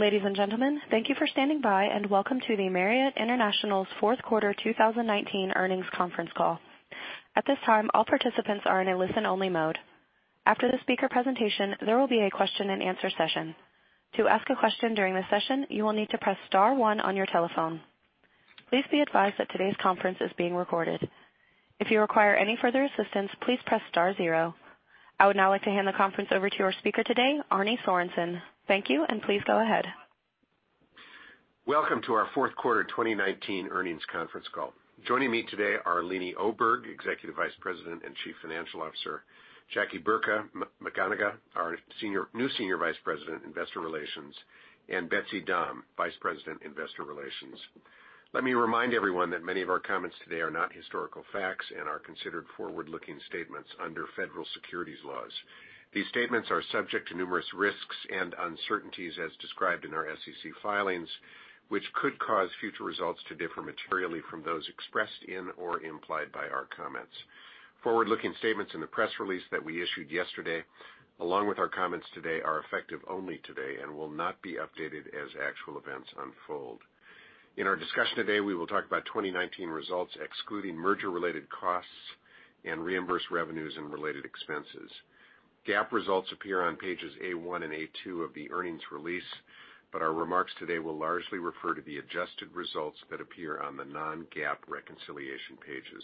Ladies and gentlemen, thank you for standing by, and welcome to the Marriott International's fourth quarter 2019 earnings conference call. At this time, all participants are in a listen-only mode. After the speaker presentation, there will be a question and answer session. To ask a question during the session, you will need to press star one on your telephone. Please be advised that today's conference is being recorded. If you require any further assistance, please press star zero. I would now like to hand the conference over to our speaker today, Arne Sorenson. Thank you, and please go ahead. Welcome to our fourth quarter 2019 earnings conference call. Joining me today are Leeny Oberg, Executive Vice President and Chief Financial Officer, Jackie Burka McConagha, our new Senior Vice President, Investor Relations, and Betsy Dahm, Vice President, Investor Relations. Let me remind everyone that many of our comments today are not historical facts and are considered forward-looking statements under federal securities laws. These statements are subject to numerous risks and uncertainties as described in our SEC filings, which could cause future results to differ materially from those expressed in or implied by our comments. Forward-looking statements in the press release that we issued yesterday, along with our comments today, are effective only today and will not be updated as actual events unfold. In our discussion today, we will talk about 2019 results, excluding merger-related costs and reimbursed revenues and related expenses. GAAP results appear on pages A1 and A2 of the earnings release, but our remarks today will largely refer to the adjusted results that appear on the non-GAAP reconciliation pages.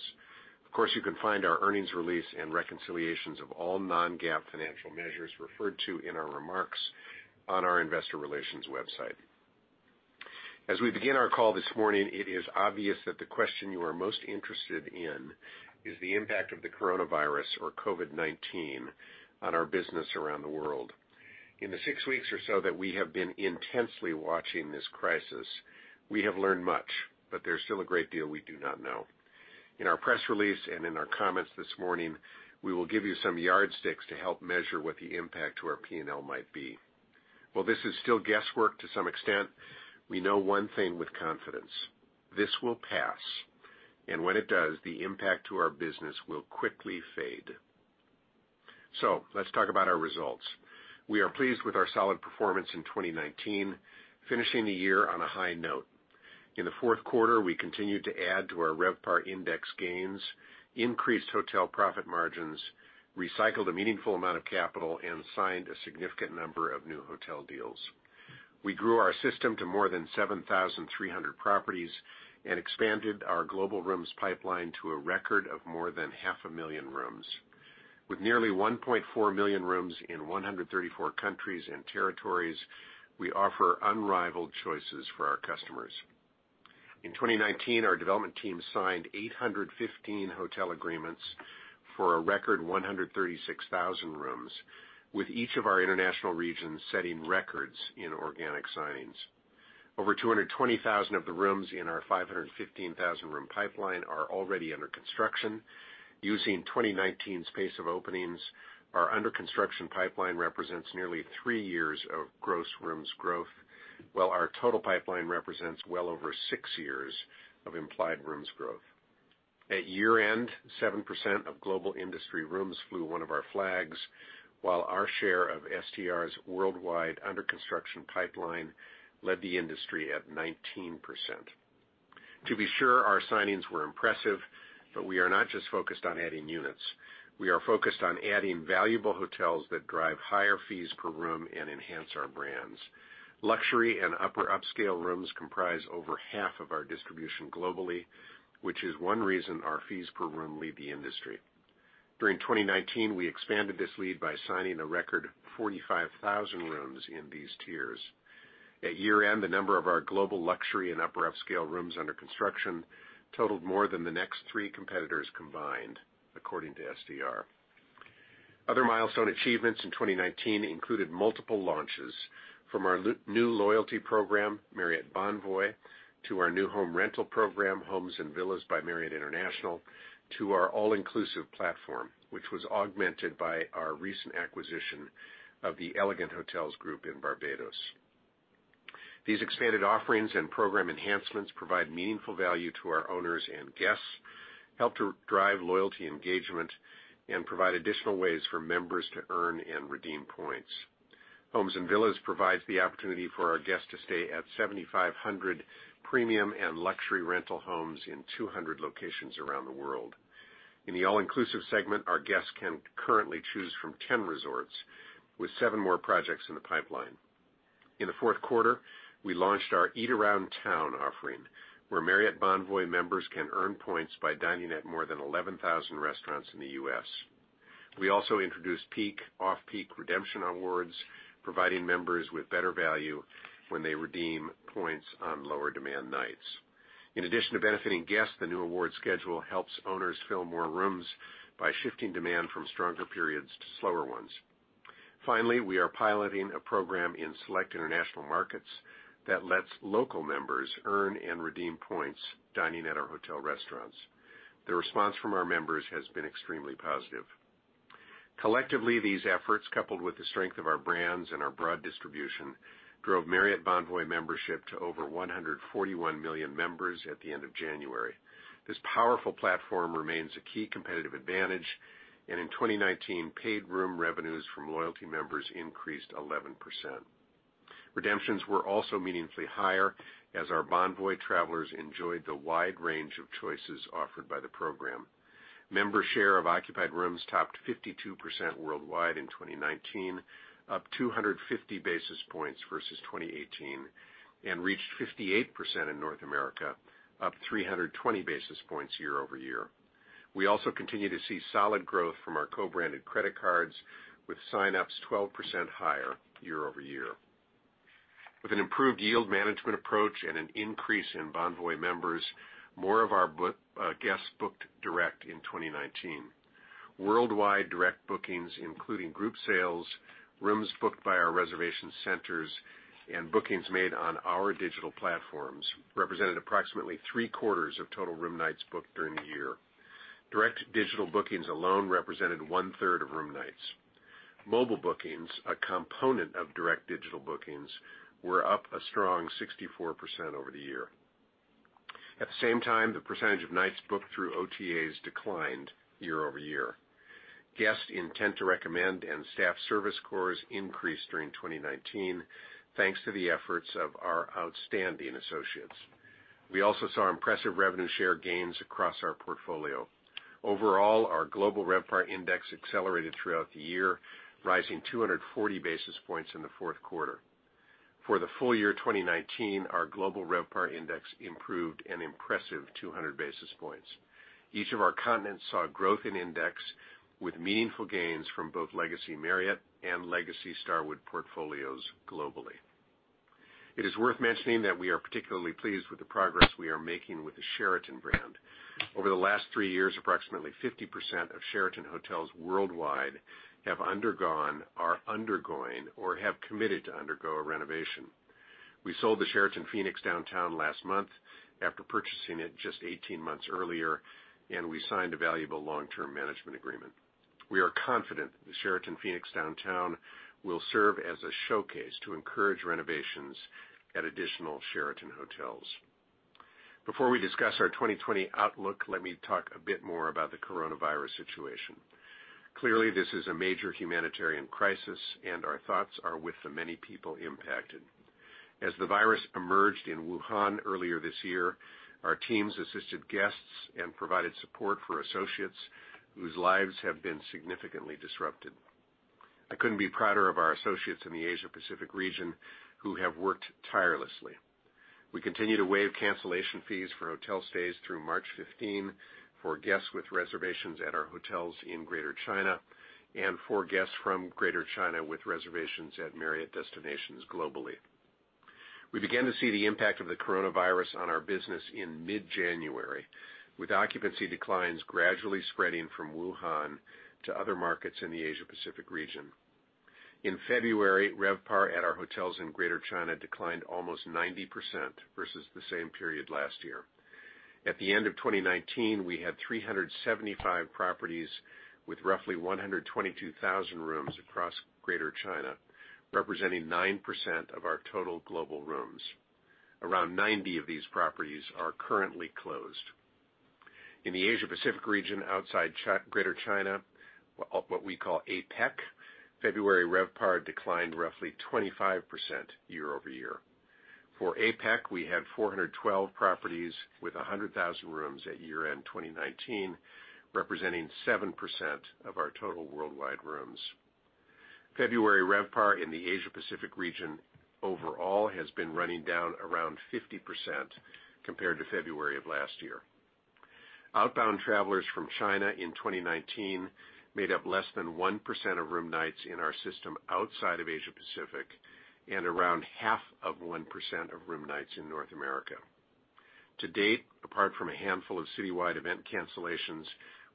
Of course, you can find our earnings release and reconciliations of all non-GAAP financial measures referred to in our remarks on our investor relations website. As we begin our call this morning, it is obvious that the question you are most interested in is the impact of the coronavirus or COVID-19 on our business around the world. In the six weeks or so that we have been intensely watching this crisis, we have learned much, but there's still a great deal we do not know. In our press release and in our comments this morning, we will give you some yardsticks to help measure what the impact to our P&L might be. While this is still guesswork to some extent, we know one thing with confidence. This will pass, and when it does, the impact to our business will quickly fade. Let's talk about our results. We are pleased with our solid performance in 2019, finishing the year on a high note. In the fourth quarter, we continued to add to our RevPAR index gains, increased hotel profit margins, recycled a meaningful amount of capital, and signed a significant number of new hotel deals. We grew our system to more than 7,300 properties and expanded our global rooms pipeline to a record of more than half a million rooms. With nearly 1.4 million rooms in 134 countries and territories, we offer unrivaled choices for our customers. In 2019, our development team signed 815 hotel agreements for a record 136,000 rooms, with each of our international regions setting records in organic signings. Over 220,000 of the rooms in our 515,000-room pipeline are already under construction. Using 2019's pace of openings, our under-construction pipeline represents nearly three years of gross rooms growth, while our total pipeline represents well over six years of implied rooms growth. At year-end, 7% of global industry rooms flew one of our flags, while our share of STR's worldwide under-construction pipeline led the industry at 19%. To be sure, our signings were impressive, but we are not just focused on adding units. We are focused on adding valuable hotels that drive higher fees per room and enhance our brands. Luxury and upper upscale rooms comprise over half of our distribution globally, which is one reason our fees per room lead the industry. During 2019, we expanded this lead by signing a record 45,000 rooms in these tiers. At year-end, the number of our global luxury and upper upscale rooms under construction totaled more than the next three competitors combined, according to STR. Other milestone achievements in 2019 included multiple launches from our new loyalty program, Marriott Bonvoy, to our new home rental program, Homes & Villas by Marriott International, to our All-Inclusive platform, which was augmented by our recent acquisition of the Elegant Hotels Group in Barbados. These expanded offerings and program enhancements provide meaningful value to our owners and guests, help to drive loyalty engagement, and provide additional ways for members to earn and redeem points. Homes & Villas provides the opportunity for our guests to stay at 7,500 premium and luxury rental homes in 200 locations around the world. In the all-inclusive segment, our guests can currently choose from 10 resorts, with seven more projects in the pipeline. In the fourth quarter, we launched our Eat Around Town offering, where Marriott Bonvoy members can earn points by dining at more than 11,000 restaurants in the U.S. We also introduced Peak, Off-Peak redemption awards, providing members with better value when they redeem points on lower-demand nights. In addition to benefiting guests, the new award schedule helps owners fill more rooms by shifting demand from stronger periods to slower ones. Finally, we are piloting a program in select international markets that lets local members earn and redeem points dining at our hotel restaurants. The response from our members has been extremely positive. Collectively, these efforts, coupled with the strength of our brands and our broad distribution, drove Marriott Bonvoy membership to over 141 million members at the end of January. This powerful platform remains a key competitive advantage. In 2019, paid room revenues from loyalty members increased 11%. Redemptions were also meaningfully higher as our Bonvoy travelers enjoyed the wide range of choices offered by the program. Member share of occupied rooms topped 52% worldwide in 2019, up 250 basis points versus 2018, and reached 58% in North America, up 320 basis points year-over-year. We also continue to see solid growth from our co-branded credit cards, with sign-ups 12% higher year-over-year. With an improved yield management approach and an increase in Bonvoy members, more of our guests booked direct in 2019. Worldwide direct bookings, including group sales, rooms booked by our reservation centers, and bookings made on our digital platforms, represented approximately 3/4 of total room nights booked during the year. Direct digital bookings alone represented 1/3 of room nights. Mobile bookings, a component of direct digital bookings, were up a strong 64% over the year. At the same time, the percentage of nights booked through OTAs declined year-over-year. Guest intent to recommend and staff service scores increased during 2019, thanks to the efforts of our outstanding associates. We also saw impressive revenue share gains across our portfolio. Overall, our global RevPAR index accelerated throughout the year, rising 240 basis points in the fourth quarter. For the full year 2019, our global RevPAR index improved an impressive 200 basis points. Each of our continents saw growth in index, with meaningful gains from both legacy Marriott and legacy Starwood portfolios globally. It is worth mentioning that we are particularly pleased with the progress we are making with the Sheraton brand. Over the last three years, approximately 50% of Sheraton Hotels worldwide have undergone, are undergoing, or have committed to undergo a renovation. We sold the Sheraton Phoenix Downtown last month after purchasing it just 18 months earlier, and we signed a valuable long-term management agreement. We are confident the Sheraton Phoenix Downtown will serve as a showcase to encourage renovations at additional Sheraton hotels. Before we discuss our 2020 outlook, let me talk a bit more about the coronavirus situation. Clearly, this is a major humanitarian crisis, and our thoughts are with the many people impacted. As the virus emerged in Wuhan earlier this year, our teams assisted guests and provided support for associates whose lives have been significantly disrupted. I couldn't be prouder of our associates in the Asia Pacific region who have worked tirelessly. We continue to waive cancellation fees for hotel stays through March 15, 2020 for guests with reservations at our hotels in Greater China and for guests from Greater China with reservations at Marriott destinations globally. We began to see the impact of the coronavirus on our business in mid-January, with occupancy declines gradually spreading from Wuhan to other markets in the Asia Pacific region. In February, RevPAR at our hotels in Greater China declined almost 90% versus the same period last year. At the end of 2019, we had 375 properties with roughly 122,000 rooms across Greater China, representing 9% of our total global rooms. Around 90 of these properties are currently closed. In the Asia Pacific region outside Greater China, what we call APEC, February RevPAR declined roughly 25% year-over-year. For APEC, we had 412 properties with 100,000 rooms at year-end 2019, representing 7% of our total worldwide rooms. February RevPAR in the Asia Pacific region overall has been running down around 50% compared to February of last year. Outbound travelers from China in 2019 made up less than 1% of room nights in our system outside of Asia Pacific and around half of 1% of room nights in North America. To date, apart from a handful of citywide event cancellations,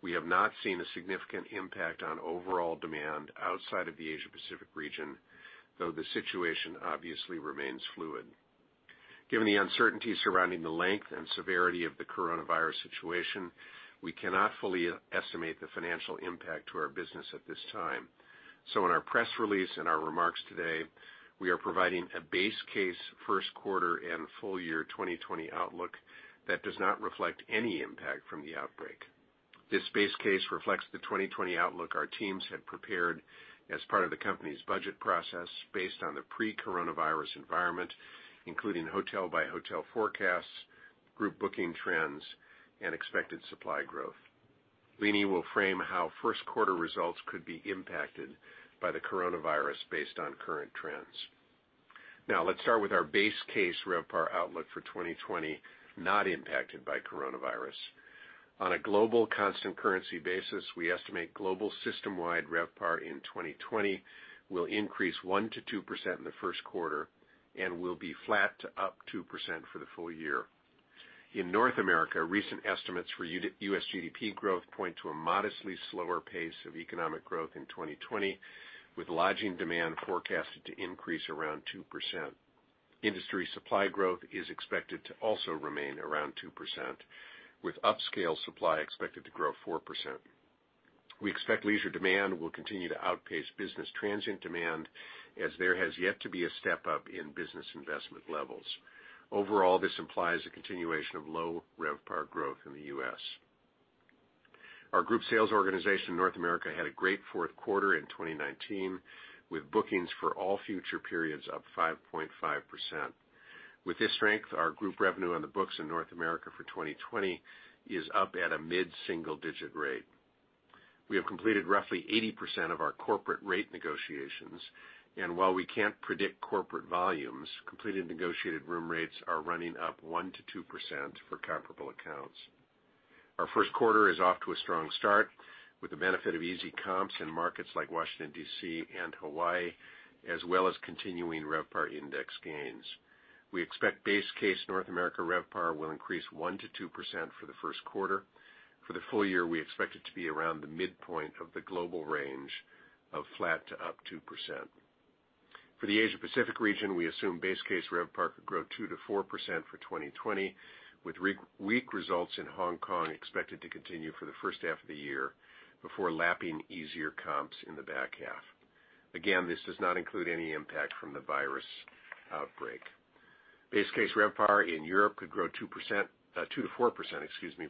we have not seen a significant impact on overall demand outside of the Asia Pacific region, though the situation obviously remains fluid. Given the uncertainty surrounding the length and severity of the coronavirus situation, we cannot fully estimate the financial impact to our business at this time. In our press release and our remarks today, we are providing a base case first quarter and full year 2020 outlook that does not reflect any impact from the outbreak. This base case reflects the 2020 outlook our teams had prepared as part of the company's budget process based on the pre-coronavirus environment, including hotel-by-hotel forecasts, group booking trends, and expected supply growth. Leeny will frame how first quarter results could be impacted by the coronavirus based on current trends. Let's start with our base case RevPAR outlook for 2020, not impacted by coronavirus. On a global constant currency basis, we estimate global system-wide RevPAR in 2020 will increase 1%-2% in the first quarter and will be flat to up 2% for the full year. In North America, recent estimates for U.S. GDP growth point to a modestly slower pace of economic growth in 2020, with lodging demand forecasted to increase around 2%. Industry supply growth is expected to also remain around 2%, with upscale supply expected to grow 4%. We expect leisure demand will continue to outpace business transient demand as there has yet to be a step-up in business investment levels. Overall, this implies a continuation of low RevPAR growth in the U.S. Our group sales organization in North America had a great fourth quarter in 2019, with bookings for all future periods up 5.5%. With this strength, our group revenue on the books in North America for 2020 is up at a mid-single-digit rate. We have completed roughly 80% of our corporate rate negotiations, and while we can't predict corporate volumes, completed negotiated room rates are running up 1%-2% for comparable accounts. Our first quarter is off to a strong start with the benefit of easy comps in markets like Washington, D.C. and Hawaii, as well as continuing RevPAR index gains. We expect base case North America RevPAR will increase 1%-2% for the first quarter. For the full year, we expect it to be around the midpoint of the global range of flat to up 2%. For the Asia Pacific region, we assume base case RevPAR could grow 2%-4% for 2020, with weak results in Hong Kong expected to continue for the first half of the year before lapping easier comps in the back half. Again, this does not include any impact from the virus outbreak. Base case RevPAR in Europe could grow 2%-4%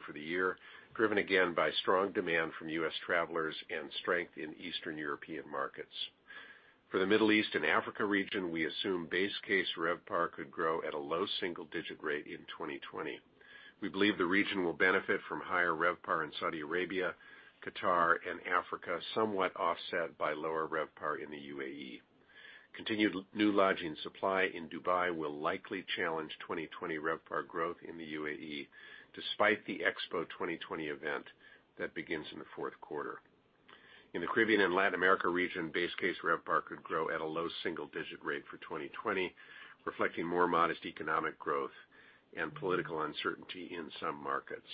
for the year, driven again by strong demand from U.S. travelers and strength in Eastern European markets. For the Middle East and Africa region, we assume base case RevPAR could grow at a low single-digit rate in 2020. We believe the region will benefit from higher RevPAR in Saudi Arabia, Qatar, and Africa, somewhat offset by lower RevPAR in the UAE. Continued new lodging supply in Dubai will likely challenge 2020 RevPAR growth in the UAE, despite the Expo 2020 event that begins in the fourth quarter. In the Caribbean and Latin America region, base case RevPAR could grow at a low single-digit rate for 2020, reflecting more modest economic growth and political uncertainty in some markets.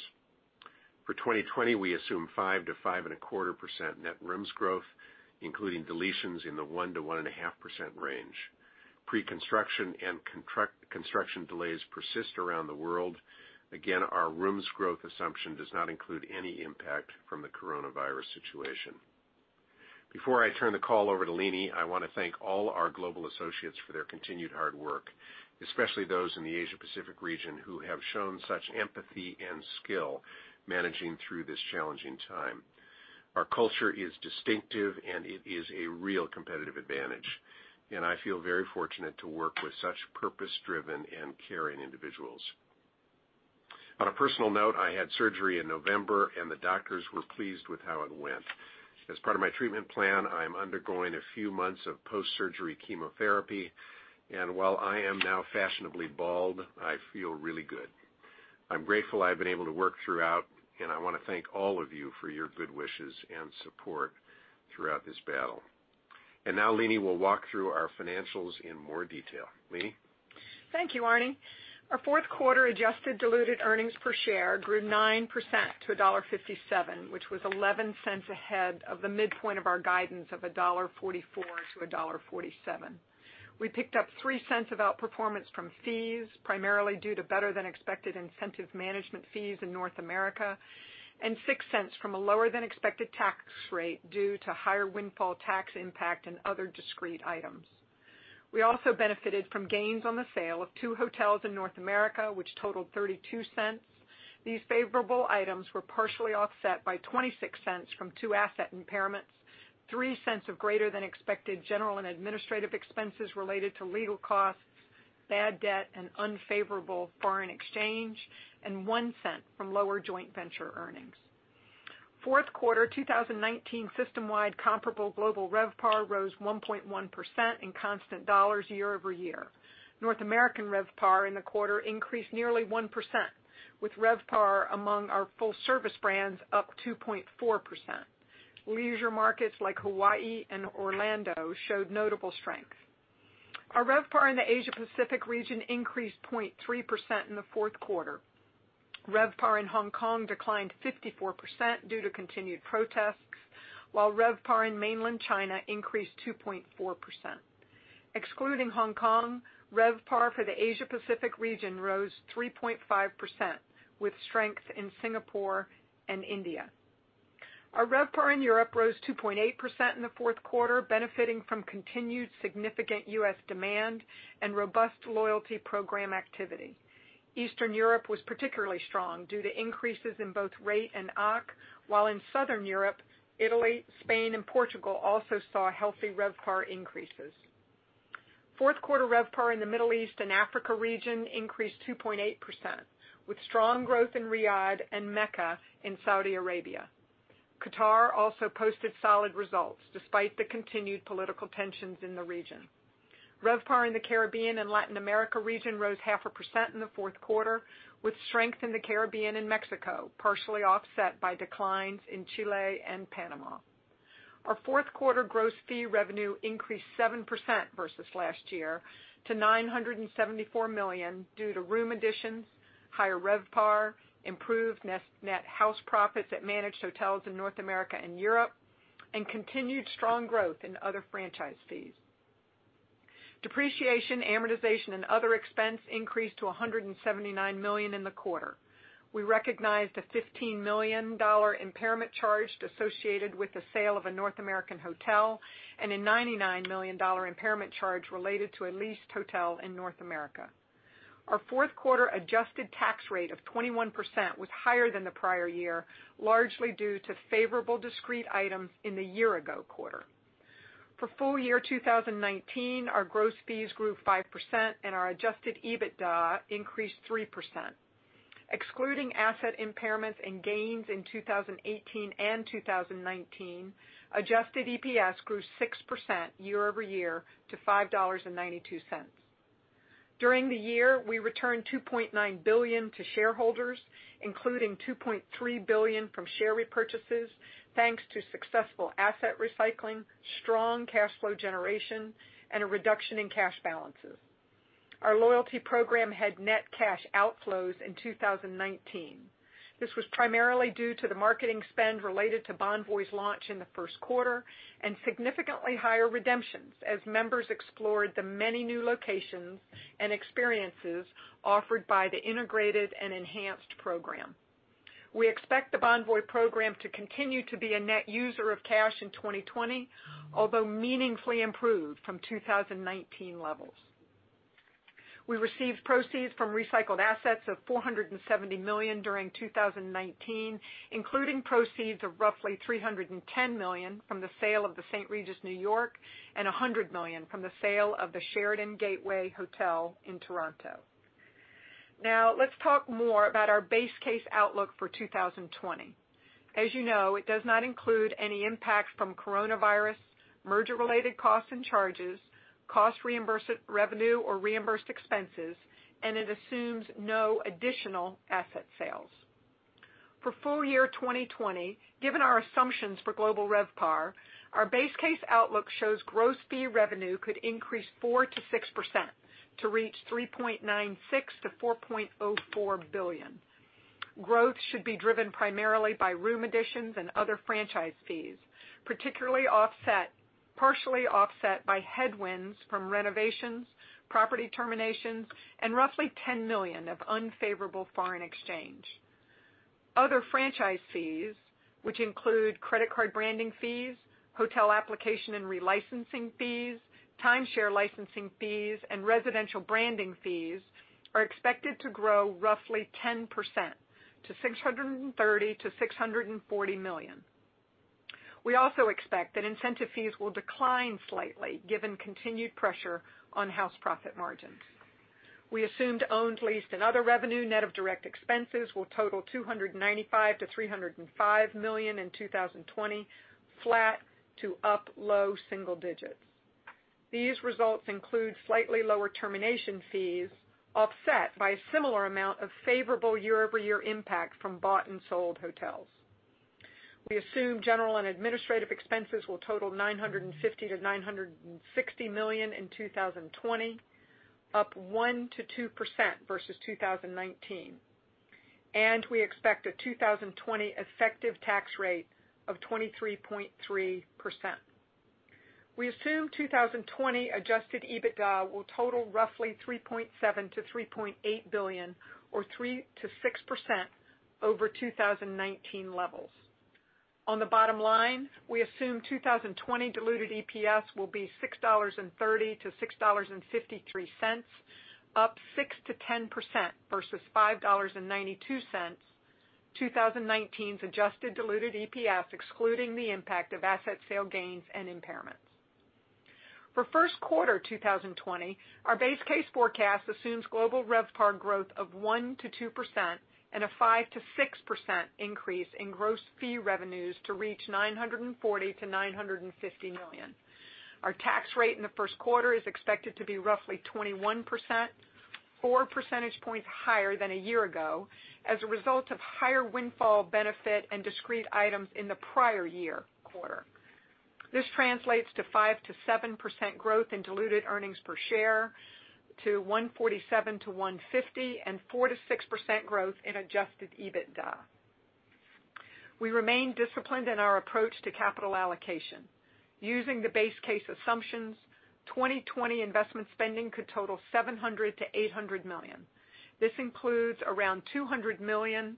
For 2020, we assume 5%-5.25% net rooms growth, including deletions in the 1%-1.5% range. Pre-construction and construction delays persist around the world. Again, our rooms growth assumption does not include any impact from the COVID-19 situation. Before I turn the call over to Leeny, I want to thank all our global associates for their continued hard work, especially those in the Asia Pacific region who have shown such empathy and skill managing through this challenging time. Our culture is distinctive, and it is a real competitive advantage, and I feel very fortunate to work with such purpose-driven and caring individuals. On a personal note, I had surgery in November, and the doctors were pleased with how it went. As part of my treatment plan, I am undergoing a few months of post-surgery chemotherapy, and while I am now fashionably bald, I feel really good. I'm grateful I've been able to work throughout. I want to thank all of you for your good wishes and support throughout this battle. Now Leeny will walk through our financials in more detail. Leeny? Thank you, Arne. Our fourth quarter adjusted diluted earnings per share grew 9% to $1.57, which was $0.11 ahead of the midpoint of our guidance of $1.44-$1.47. We picked up $0.03 of outperformance from fees, primarily due to better-than-expected incentive management fees in North America and $0.06 from a lower-than-expected tax rate due to higher windfall tax impact and other discrete items. We also benefited from gains on the sale of two hotels in North America, which totaled $0.32. These favorable items were partially offset by $0.26 from two asset impairments, $0.03 of greater-than-expected general and administrative expenses related to legal costs, bad debt, and unfavorable foreign exchange, and $0.01 from lower joint venture earnings. Fourth quarter 2019 system-wide comparable global RevPAR rose 1.1% in constant dollars year-over-year. North American RevPAR in the quarter increased nearly 1%, with RevPAR among our full-service brands up 2.4%. Leisure markets like Hawaii and Orlando showed notable strength. Our RevPAR in the Asia Pacific region increased 0.3% in the fourth quarter. RevPAR in Hong Kong declined 54% due to continued protests, while RevPAR in mainland China increased 2.4%. Excluding Hong Kong, RevPAR for the Asia Pacific region rose 3.5%, with strength in Singapore and India. Our RevPAR in Europe rose 2.8% in the fourth quarter, benefiting from continued significant U.S. demand and robust loyalty program activity. Eastern Europe was particularly strong due to increases in both rate and OCC, while in Southern Europe, Italy, Spain, and Portugal also saw healthy RevPAR increases. Fourth quarter RevPAR in the Middle East and Africa region increased 2.8%, with strong growth in Riyadh and Mecca in Saudi Arabia. Qatar also posted solid results despite the continued political tensions in the region. RevPAR in the Caribbean and Latin America region rose 0.5% in the fourth quarter with strength in the Caribbean and Mexico, partially offset by declines in Chile and Panama. Our fourth quarter gross fee revenue increased 7% versus last year to $974 million due to room additions, higher RevPAR, improved net house profits at managed hotels in North America and Europe, and continued strong growth in other franchise fees. Depreciation, amortization, and other expense increased to $179 million in the quarter. We recognized a $15 million impairment charge associated with the sale of a North American hotel and a $99 million impairment charge related to a leased hotel in North America. Our fourth quarter adjusted tax rate of 21% was higher than the prior year, largely due to favorable discrete items in the year-ago quarter. For full year 2019, our gross fees grew 5% and our adjusted EBITDA increased 3%. Excluding asset impairments and gains in 2018 and 2019, adjusted EPS grew 6% year-over-year to $5.92. During the year, we returned $2.9 billion to shareholders, including $2.3 billion from share repurchases, thanks to successful asset recycling, strong cash flow generation, and a reduction in cash balances. Our loyalty program had net cash outflows in 2019. This was primarily due to the marketing spend related to Bonvoy's launch in the first quarter, and significantly higher redemptions as members explored the many new locations and experiences offered by the integrated and enhanced program. We expect the Bonvoy program to continue to be a net user of cash in 2020, although meaningfully improved from 2019 levels. We received proceeds from recycled assets of $470 million during 2019, including proceeds of roughly $310 million from the sale of The St. Regis New York and $100 million from the sale of the Sheraton Gateway Hotel in Toronto. Let's talk more about our base case outlook for 2020. As you know, it does not include any impacts from coronavirus, merger-related costs and charges, cost reimbursed revenue, or reimbursed expenses, and it assumes no additional asset sales. For full year 2020, given our assumptions for global RevPAR, our base case outlook shows gross fee revenue could increase 4%-6% to reach $3.96 billion-$4.04 billion. Growth should be driven primarily by room additions and other franchise fees, partially offset by headwinds from renovations, property terminations, and roughly $10 million of unfavorable foreign exchange. Other franchise fees, which include credit card branding fees, hotel application and relicensing fees, timeshare licensing fees, and residential branding fees, are expected to grow roughly 10% to $630 million-$640 million. We also expect that incentive fees will decline slightly given continued pressure on house profit margins. We assumed owned, leased, and other revenue net of direct expenses will total $295 million-$305 million in 2020, flat to up low single digits. These results include slightly lower termination fees, offset by a similar amount of favorable year-over-year impact from bought and sold hotels. We assume general and administrative expenses will total $950 million-$960 million in 2020, up 1%-2% versus 2019. We expect a 2020 effective tax rate of 23.3%. We assume 2020 adjusted EBITDA will total roughly $3.7 billion-$3.8 billion or 3%-6% over 2019 levels. On the bottom line, we assume 2020 diluted EPS will be $6.30-$6.53, up 6%-10% versus $5.92, 2019's adjusted diluted EPS, excluding the impact of asset sale gains and impairments. For first quarter 2020, our base case forecast assumes global RevPAR growth of 1%-2% and a 5%-6% increase in gross fee revenues to reach $940 million-$950 million. Our tax rate in the first quarter is expected to be roughly 21%, four percentage points higher than a year ago, as a result of higher windfall benefit and discrete items in the prior year quarter. This translates to 5%-7% growth in diluted earnings per share to $1.47 to $1.50 and 4%-6% growth in adjusted EBITDA. We remain disciplined in our approach to capital allocation. Using the base case assumptions, 2020 investment spending could total $700 million-$800 million. This includes around $200 million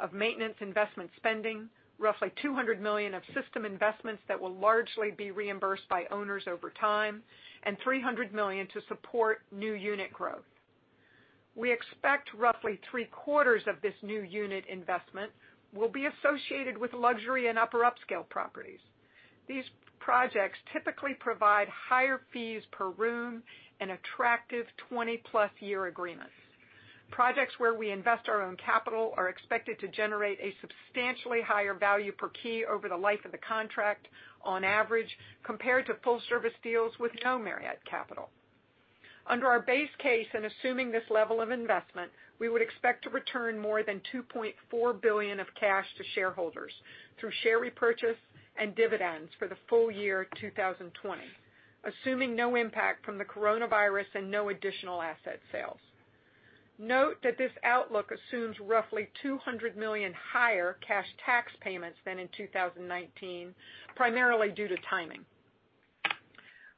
of maintenance investment spending, roughly $200 million of system investments that will largely be reimbursed by owners over time, and $300 million to support new unit growth. We expect roughly three-quarters of this new unit investment will be associated with luxury and upper upscale properties. These projects typically provide higher fees per room and attractive 20+ year agreements. Projects where we invest our own capital are expected to generate a substantially higher value per key over the life of the contract on average, compared to full service deals with no Marriott capital. Under our base case and assuming this level of investment, we would expect to return more than $2.4 billion of cash to shareholders through share repurchase and dividends for the full year 2020, assuming no impact from the coronavirus and no additional asset sales. Note that this outlook assumes roughly $200 million higher cash tax payments than in 2019, primarily due to timing.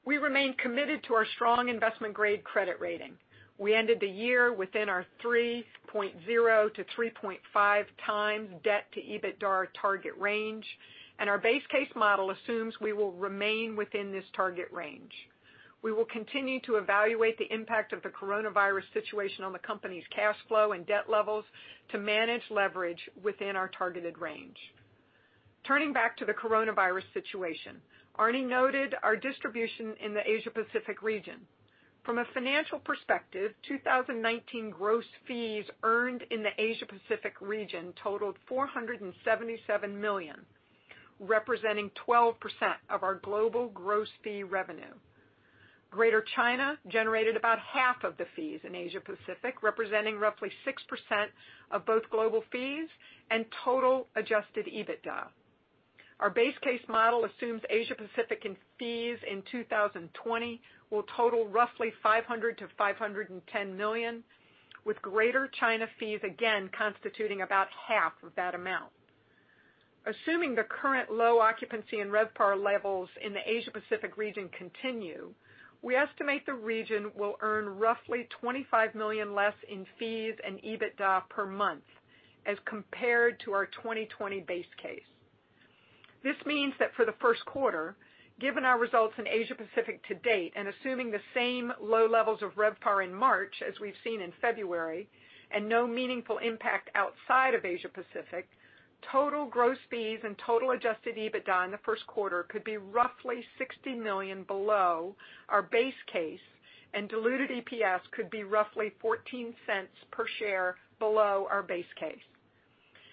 We remain committed to our strong investment-grade credit rating. We ended the year within our 3.0x-3.5x debt to EBITDA target range, and our base case model assumes we will remain within this target range. We will continue to evaluate the impact of the coronavirus situation on the company's cash flow and debt levels to manage leverage within our targeted range. Turning back to the coronavirus situation, Arne noted our distribution in the Asia-Pacific region. From a financial perspective, 2019 gross fees earned in the Asia-Pacific region totaled $477 million, representing 12% of our global gross fee revenue. Greater China generated about half of the fees in Asia-Pacific, representing roughly 6% of both global fees and total adjusted EBITDA. Our base case model assumes Asia Pacific in fees in 2020 will total roughly $500 million-$510 million, with Greater China fees again constituting about half of that amount. Assuming the current low occupancy and RevPAR levels in the Asia-Pacific region continue, we estimate the region will earn roughly $25 million less in fees and EBITDA per month as compared to our 2020 base case. This means that for the first quarter, given our results in Asia Pacific to date, and assuming the same low levels of RevPAR in March as we've seen in February, and no meaningful impact outside of Asia Pacific, total gross fees and total adjusted EBITDA in the first quarter could be roughly $60 million below our base case, and diluted EPS could be roughly $0.14 per share below our base case.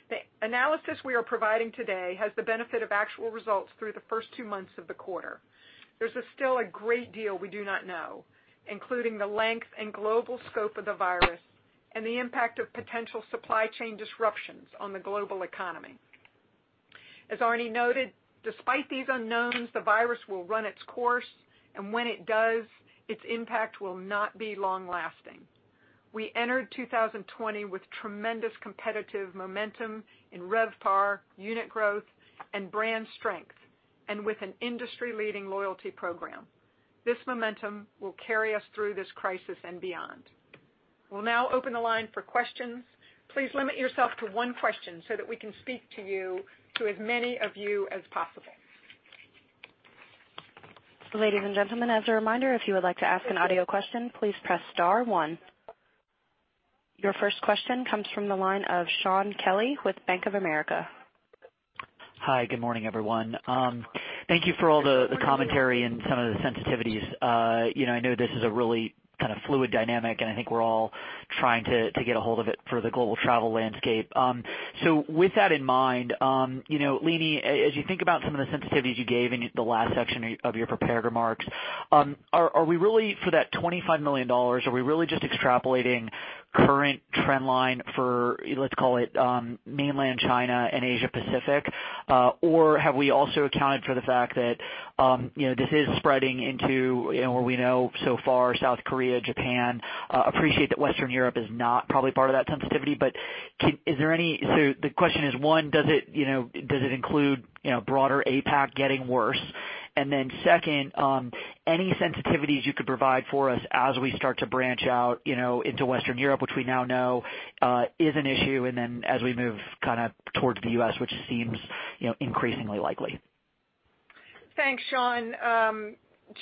The analysis we are providing today has the benefit of actual results through the first two months of the quarter. There's still a great deal we do not know, including the length and global scope of the virus and the impact of potential supply chain disruptions on the global economy. As already noted, despite these unknowns, the virus will run its course, and when it does, its impact will not be long-lasting. We entered 2020 with tremendous competitive momentum in RevPAR, unit growth, and brand strength, and with an industry-leading loyalty program. This momentum will carry us through this crisis and beyond. We'll now open the line for questions. Please limit yourself to one question so that we can speak to as many of you as possible. Ladies and gentlemen, as a reminder, if you would like to ask an audio question, please press star one. Your first question comes from the line of Shaun Kelley with Bank of America. Hi, good morning, everyone. Thank you for all the commentary and some of the sensitivities. I know this is a really fluid dynamic, and I think we're all trying to get a hold of it for the global travel landscape. With that in mind, Leeny, as you think about some of the sensitivities you gave in the last section of your prepared remarks, for that $25 million, are we really just extrapolating current trendline for, let's call it, mainland China and Asia Pacific? Have we also accounted for the fact that this is spreading into where we know so far, South Korea, Japan? Appreciate that Western Europe is not probably part of that sensitivity, the question is, one, does it include broader APAC getting worse? Second, any sensitivities you could provide for us as we start to branch out into Western Europe, which we now know is an issue, and then as we move towards the U.S., which seems increasingly likely. Thanks, Shaun.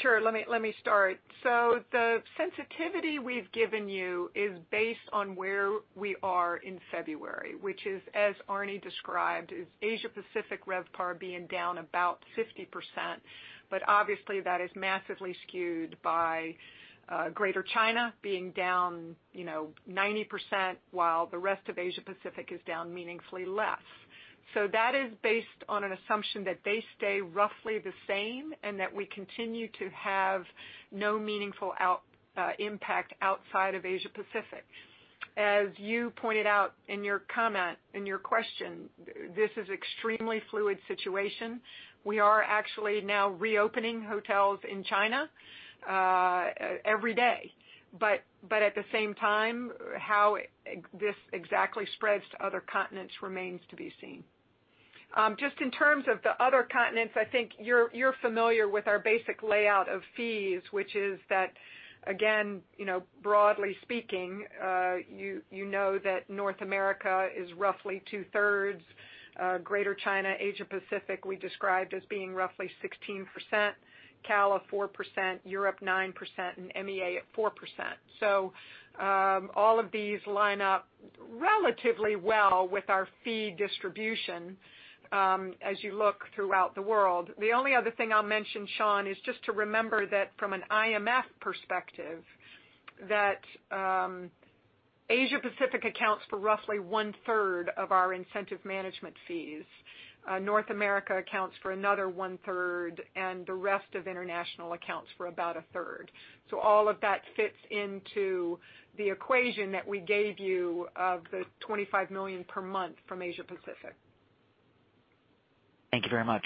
Sure, let me start. The sensitivity we've given you is based on where we are in February, which is, as Arne described, is Asia Pacific RevPAR being down about 50%, but obviously that is massively skewed by Greater China being down 90%, while the rest of Asia Pacific is down meaningfully less. That is based on an assumption that they stay roughly the same and that we continue to have no meaningful impact outside of Asia Pacific. As you pointed out in your comment, in your question, this is extremely fluid situation. We are actually now reopening hotels in China every day. At the same time, how this exactly spreads to other continents remains to be seen. Just in terms of the other continents, I think you're familiar with our basic layout of fees, which is that, again, broadly speaking, you know that North America is roughly two-thirds Greater China. Asia Pacific we described as being roughly 16%, CALA 4%, Europe 9%, and MEA at 4%. All of these line up relatively well with our fee distribution as you look throughout the world. The only other thing I'll mention, Shaun, is just to remember that from an IMF perspective, that Asia Pacific accounts for roughly one-third of our incentive management fees. North America accounts for another one-third, and the rest of international accounts for about a third. All of that fits into the equation that we gave you of the $25 million per month from Asia Pacific. Thank you very much.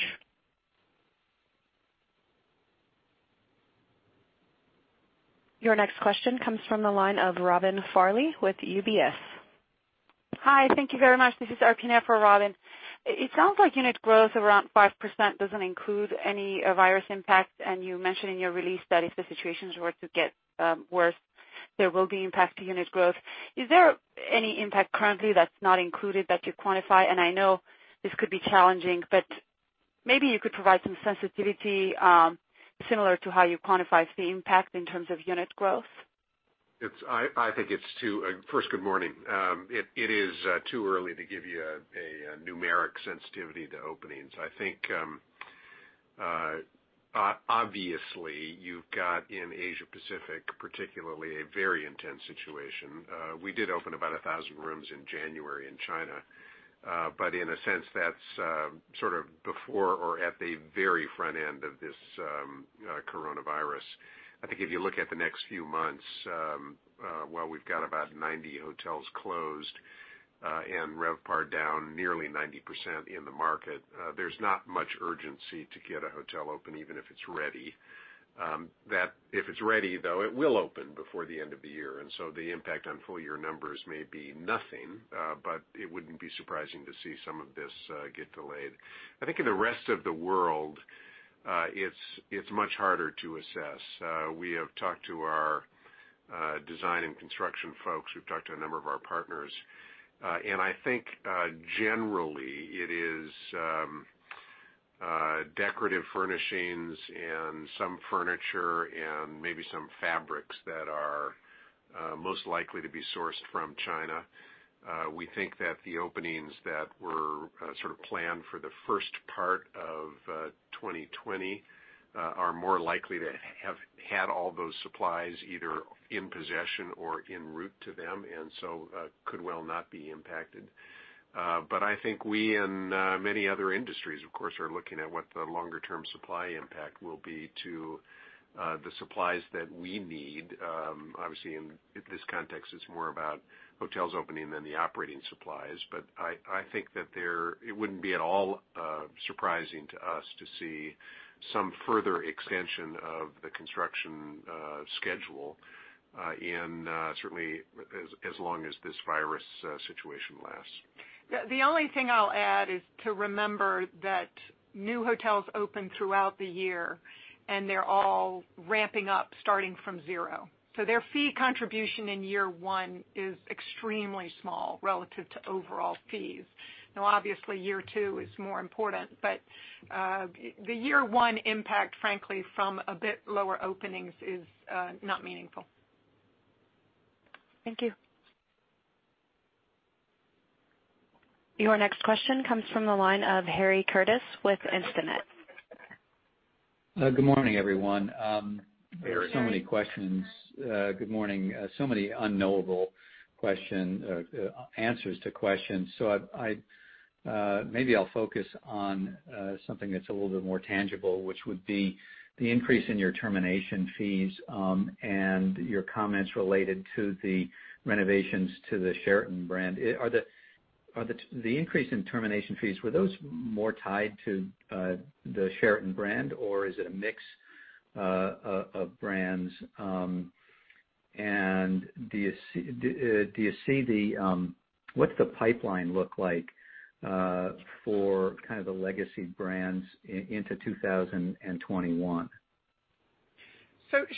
Your next question comes from the line of Robin Farley with UBS. Hi, thank you very much. This is Arpine for Robin. It sounds like unit growth around 5% doesn't include any virus impact, and you mentioned in your release that if the situations were to get worse. There will be impact to unit growth. Is there any impact currently that's not included that you quantify? I know this could be challenging, but maybe you could provide some sensitivity, similar to how you quantify fee impact in terms of unit growth. First, good morning. It is too early to give you a numeric sensitivity to openings. I think, obviously, you've got in Asia Pacific, particularly, a very intense situation. We did open about 1,000 rooms in January in China. In a sense, that's sort of before or at the very front end of this coronavirus. I think if you look at the next few months, while we've got about 90 hotels closed and RevPAR down nearly 90% in the market, there's not much urgency to get a hotel open, even if it's ready. If it's ready, though, it will open before the end of the year, and so the impact on full year numbers may be nothing. It wouldn't be surprising to see some of this get delayed. I think in the rest of the world, it's much harder to assess. We have talked to our design and construction folks, we've talked to a number of our partners. I think, generally, it is decorative furnishings and some furniture and maybe some fabrics that are most likely to be sourced from China. We think that the openings that were sort of planned for the first part of 2020 are more likely to have had all those supplies either in possession or en route to them, could well not be impacted. I think we and many other industries, of course, are looking at what the longer-term supply impact will be to the supplies that we need. Obviously, in this context, it's more about hotels opening than the operating supplies. I think that it wouldn't be at all surprising to us to see some further extension of the construction schedule, and certainly as long as this virus situation lasts. The only thing I'll add is to remember that new hotels open throughout the year, and they're all ramping up starting from zero. Their fee contribution in year one is extremely small relative to overall fees. Now, obviously, year two is more important, but the year one impact, frankly, from a bit lower openings is not meaningful. Thank you. Your next question comes from the line of Harry Curtis with Instinet. Good morning, everyone. Harry. There are so many questions. Good morning. Many unknowable answers to questions. Maybe I'll focus on something that's a little bit more tangible, which would be the increase in your termination fees and your comments related to the renovations to the Sheraton brand. The increase in termination fees, were those more tied to the Sheraton brand, or is it a mix of brands? What's the pipeline look like for kind of the legacy brands into 2021?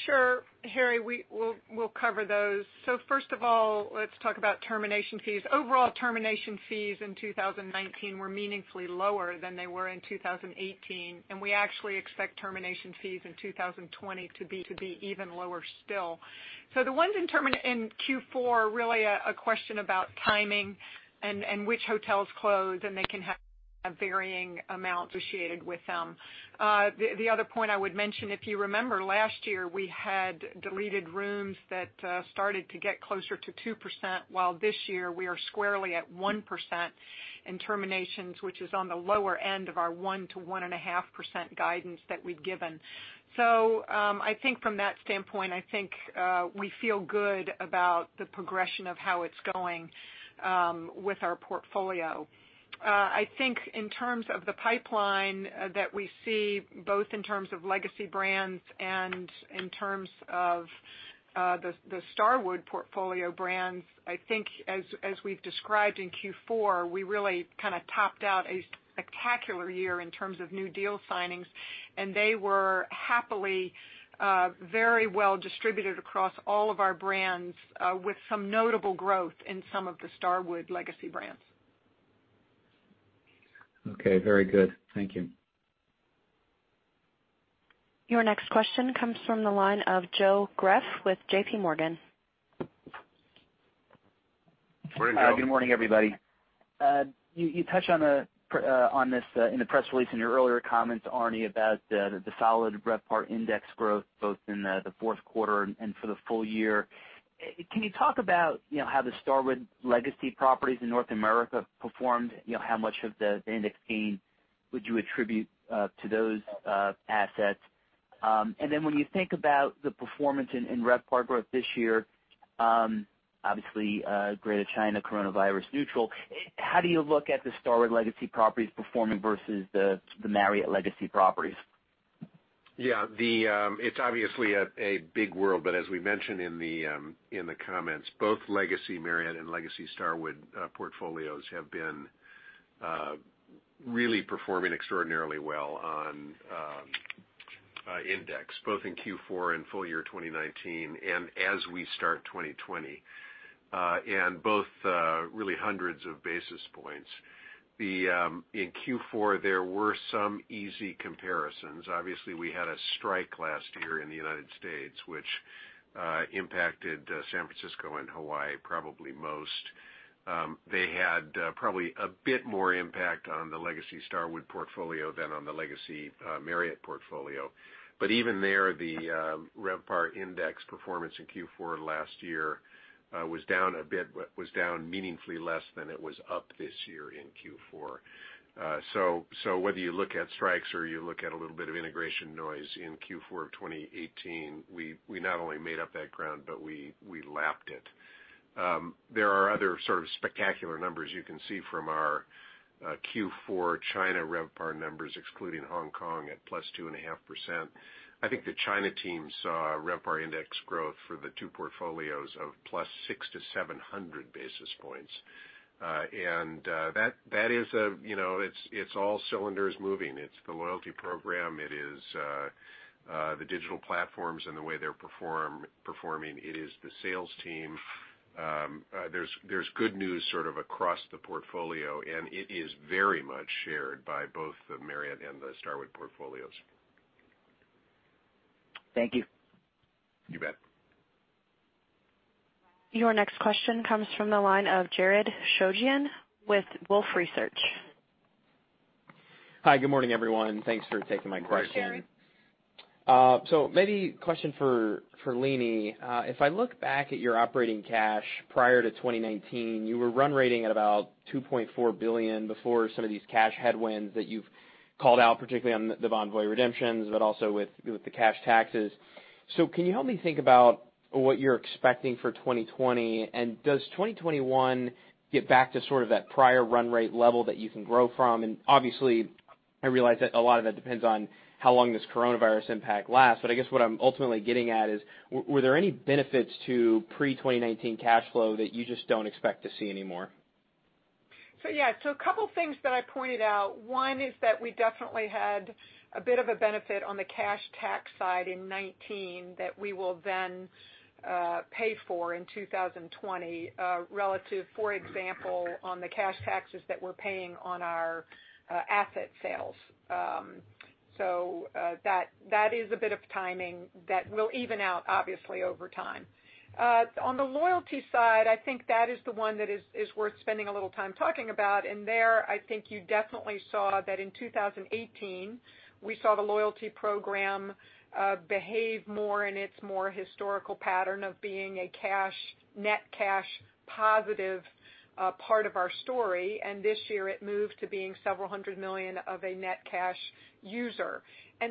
Sure, Harry, we'll cover those. First of all, let's talk about termination fees. Overall termination fees in 2019 were meaningfully lower than they were in 2018, and we actually expect termination fees in 2020 to be even lower still. The ones in Q4 are really a question about timing and which hotels close, and they can have varying amounts associated with them. The other point I would mention, if you remember last year, we had deleted rooms that started to get closer to 2%, while this year we are squarely at 1% in terminations, which is on the lower end of our 1% to 1.5% guidance that we'd given. I think from that standpoint, I think we feel good about the progression of how it's going with our portfolio. I think in terms of the pipeline that we see, both in terms of legacy brands and in terms of the Starwood portfolio brands, I think as we've described in Q4, we really kind of topped out a spectacular year in terms of new deal signings, and they were happily very well distributed across all of our brands, with some notable growth in some of the Starwood legacy brands. Okay. Very good. Thank you. Your next question comes from the line of Joe Greff with J.P. Morgan. Morning, Joe. Good morning, everybody. You touched on this in the press release in your earlier comments, Arne, about the solid RevPAR index growth both in the fourth quarter and for the full year. Can you talk about how the Starwood legacy properties in North America performed? How much of the index gain would you attribute to those assets? When you think about the performance in RevPAR growth this year, obviously Greater China coronavirus neutral, how do you look at the Starwood legacy properties performing versus the Marriott legacy properties? Yeah. It's obviously a big world, but as we mentioned in the comments, both Legacy Marriott and Legacy Starwood portfolios have been really performing extraordinarily well on RevPAR Index, both in Q4 and full year 2019, as we start 2020, both really hundreds of basis points. In Q4, there were some easy comparisons. Obviously, we had a strike last year in the U.S., which impacted San Francisco and Hawaii probably most. They had probably a bit more impact on the Legacy Starwood portfolio than on the Legacy Marriott portfolio. Even there, the RevPAR Index performance in Q4 last year was down a bit, was down meaningfully less than it was up this year in Q4. Whether you look at strikes or you look at a little bit of integration noise in Q4 of 2018, we not only made up that ground, but we lapped it. There are other sort of spectacular numbers you can see from our Q4 China RevPAR numbers, excluding Hong Kong at plus 2.5%. I think the China team saw RevPAR index growth for the two portfolios of plus 600 to 700 basis points. It's all cylinders moving. It's the loyalty program. It is the digital platforms and the way they're performing. It is the sales team. There's good news sort of across the portfolio, and it is very much shared by both the Marriott and the Starwood portfolios. Thank you. You bet. Your next question comes from the line of Jared Shojaian with Wolfe Research. Hi, good morning, everyone. Thanks for taking my question. Great. Maybe question for Leeny. If I look back at your operating cash prior to 2019, you were run rating at about $2.4 billion before some of these cash headwinds that you've called out, particularly on the Bonvoy redemptions, but also with the cash taxes. Can you help me think about what you're expecting for 2020? Does 2021 get back to sort of that prior run rate level that you can grow from? Obviously, I realize that a lot of that depends on how long this coronavirus impact lasts. I guess what I'm ultimately getting at is, were there any benefits to pre-2019 cash flow that you just don't expect to see anymore? Yeah. A couple things that I pointed out. One is that we definitely had a bit of a benefit on the cash tax side in 2019 that we will then pay for in 2020 relative, for example, on the cash taxes that we're paying on our asset sales. That is a bit of timing that will even out obviously over time. On the loyalty side, I think that is the one that is worth spending a little time talking about. There, I think you definitely saw that in 2018, we saw the loyalty program behave more in its more historical pattern of being a net cash positive part of our story, and this year it moved to being several hundred million of a net cash user.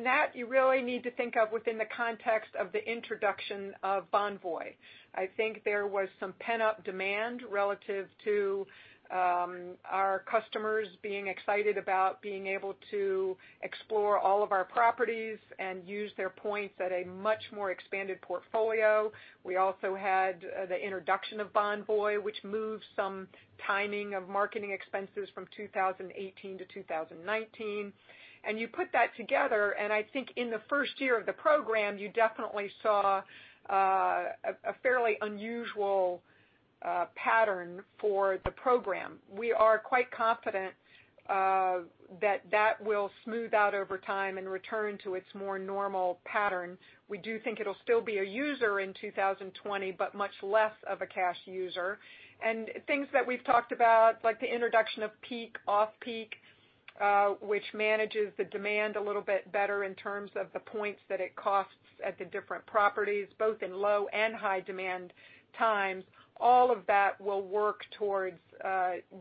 That you really need to think of within the context of the introduction of Bonvoy. I think there was some pent-up demand relative to our customers being excited about being able to explore all of our properties and use their points at a much more expanded portfolio. We also had the introduction of Bonvoy, which moved some timing of marketing expenses from 2018 to 2019. You put that together, and I think in the first year of the program, you definitely saw a fairly unusual pattern for the program. We are quite confident that that will smooth out over time and return to its more normal pattern. We do think it'll still be a user in 2020, but much less of a cash user. Things that we've talked about, like the introduction of Peak, Off-Peak, which manages the demand a little bit better in terms of the points that it costs at the different properties, both in low and high demand times. All of that will work towards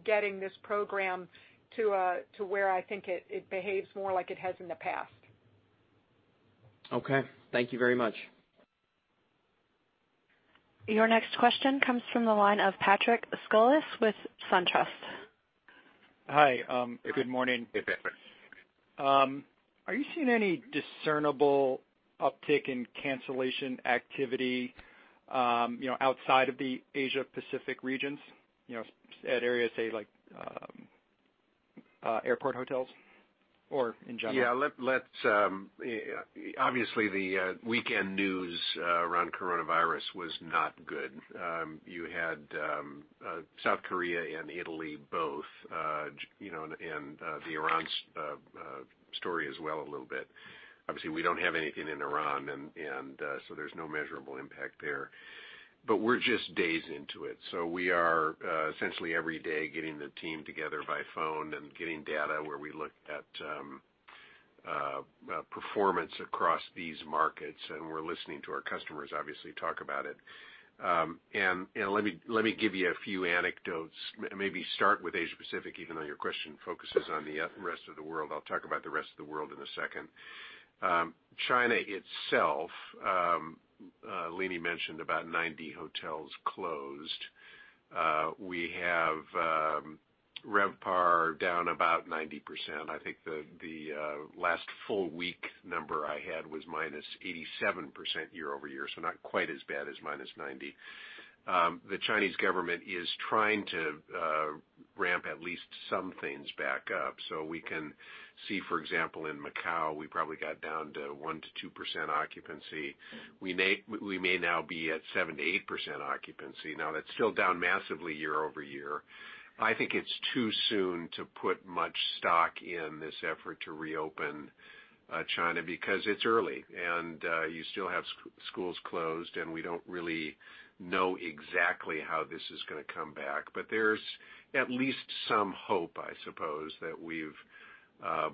getting this program to where I think it behaves more like it has in the past. Okay. Thank you very much. Your next question comes from the line of Patrick Scholes with SunTrust. Hi. Good morning. Hey, Patrick. Are you seeing any discernible uptick in cancellation activity outside of the Asia Pacific regions? At areas, say like airport hotels or in general? Yeah. Obviously, the weekend news around coronavirus was not good. You had South Korea and Italy both and the Iran story as well a little bit. Obviously, we don't have anything in Iran, and so there's no measurable impact there. We're just days into it. We are essentially every day getting the team together by phone and getting data where we look at performance across these markets, and we're listening to our customers obviously talk about it. Let me give you a few anecdotes, maybe start with Asia Pacific, even though your question focuses on the rest of the world. I'll talk about the rest of the world in a second. China itself, Leeny mentioned about 90 hotels closed. We have RevPAR down about 90%. I think the last full week number I had was -87% year-over-year. Not quite as bad as -90. The Chinese government is trying to ramp at least some things back up. We can see, for example, in Macau, we probably got down to 1%-2% occupancy. We may now be at 7%-8% occupancy. Now, that's still down massively year-over-year. I think it's too soon to put much stock in this effort to reopen China because it's early, and you still have schools closed, and we don't really know exactly how this is going to come back. There's at least some hope, I suppose, that we've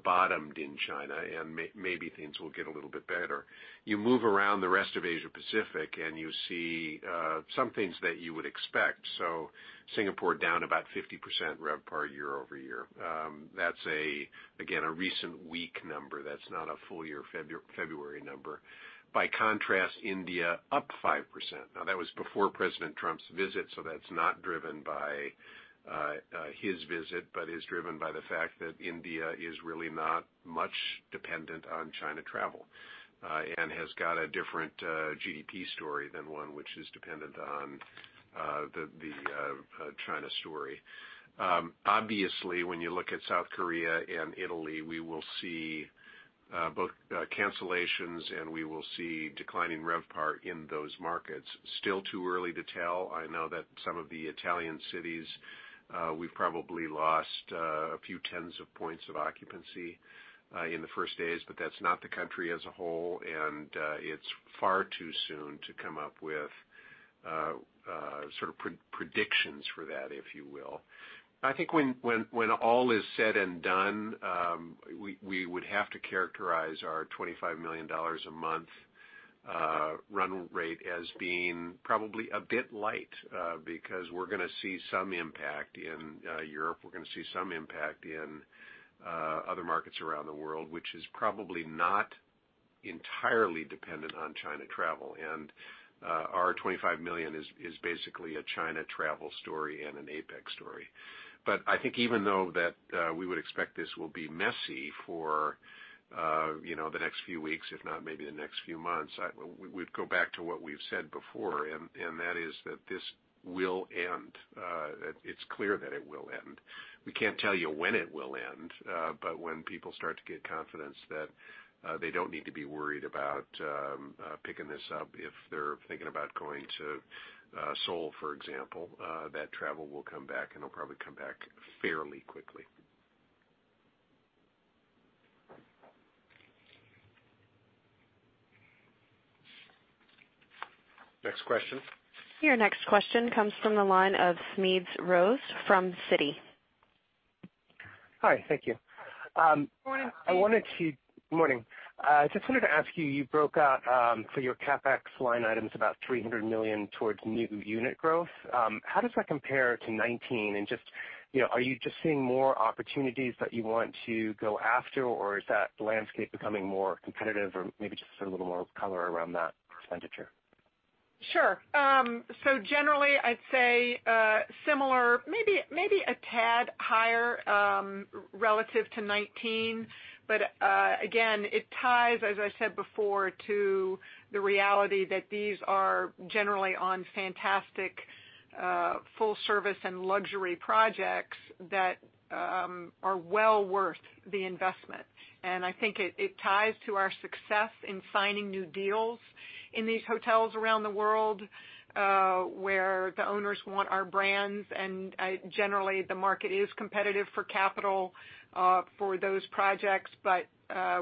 bottomed in China and maybe things will get a little bit better. You move around the rest of Asia Pacific, and you see some things that you would expect. Singapore down about 50% RevPAR year-over-year. That's, again, a recent week number. That's not a full-year February number. By contrast, India up 5%. Now that was before President Trump's visit, so that's not driven by his visit, but is driven by the fact that India is really not much dependent on China travel and has got a different GDP story than one which is dependent on the China story. Obviously, when you look at South Korea and Italy, we will see both cancellations, and we will see declining RevPAR in those markets. Still too early to tell. I know that some of the Italian cities, we've probably lost a few tens of points of occupancy in the first days, but that's not the country as a whole, and it's far too soon to come up with predictions for that, if you will. I think when all is said and done, we would have to characterize our $25 million a month run rate as being probably a bit light because we're going to see some impact in Europe. We're going to see some impact in other markets around the world, which is probably not entirely dependent on China travel. Our $25 million is basically a China travel story and an APAC story. I think even though that we would expect this will be messy for the next few weeks, if not maybe the next few months, we'd go back to what we've said before, and that is that this will end. It's clear that it will end. We can't tell you when it will end. When people start to get confidence that they don't need to be worried about picking this up if they're thinking about going to Seoul, for example, that travel will come back, and it'll probably come back fairly quickly. Next question. Your next question comes from the line of Smedes Rose from Citi. Hi, thank you. Morning, Smedes. Morning. I just wanted to ask you broke out for your CapEx line items about $300 million towards new unit growth. How does that compare to 2019, and are you just seeing more opportunities that you want to go after, or is that landscape becoming more competitive, or maybe just a little more color around that expenditure? Sure. Generally, I'd say similar, maybe a tad higher relative to 2019. Again, it ties, as I said before, to the reality that these are generally on fantastic full service and luxury projects that are well worth the investment. I think it ties to our success in signing new deals in these hotels around the world where the owners want our brands, and generally, the market is competitive for capital for those projects.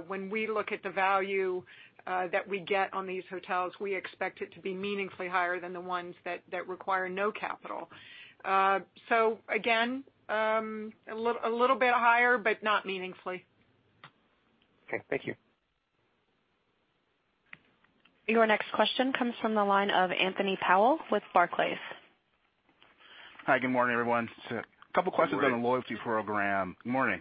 When we look at the value that we get on these hotels, we expect it to be meaningfully higher than the ones that require no capital. Again, a little bit higher, but not meaningfully. Okay, thank you. Your next question comes from the line of Anthony Powell with Barclays. Hi, good morning, everyone. Good morning. Couple questions on the loyalty program. Morning.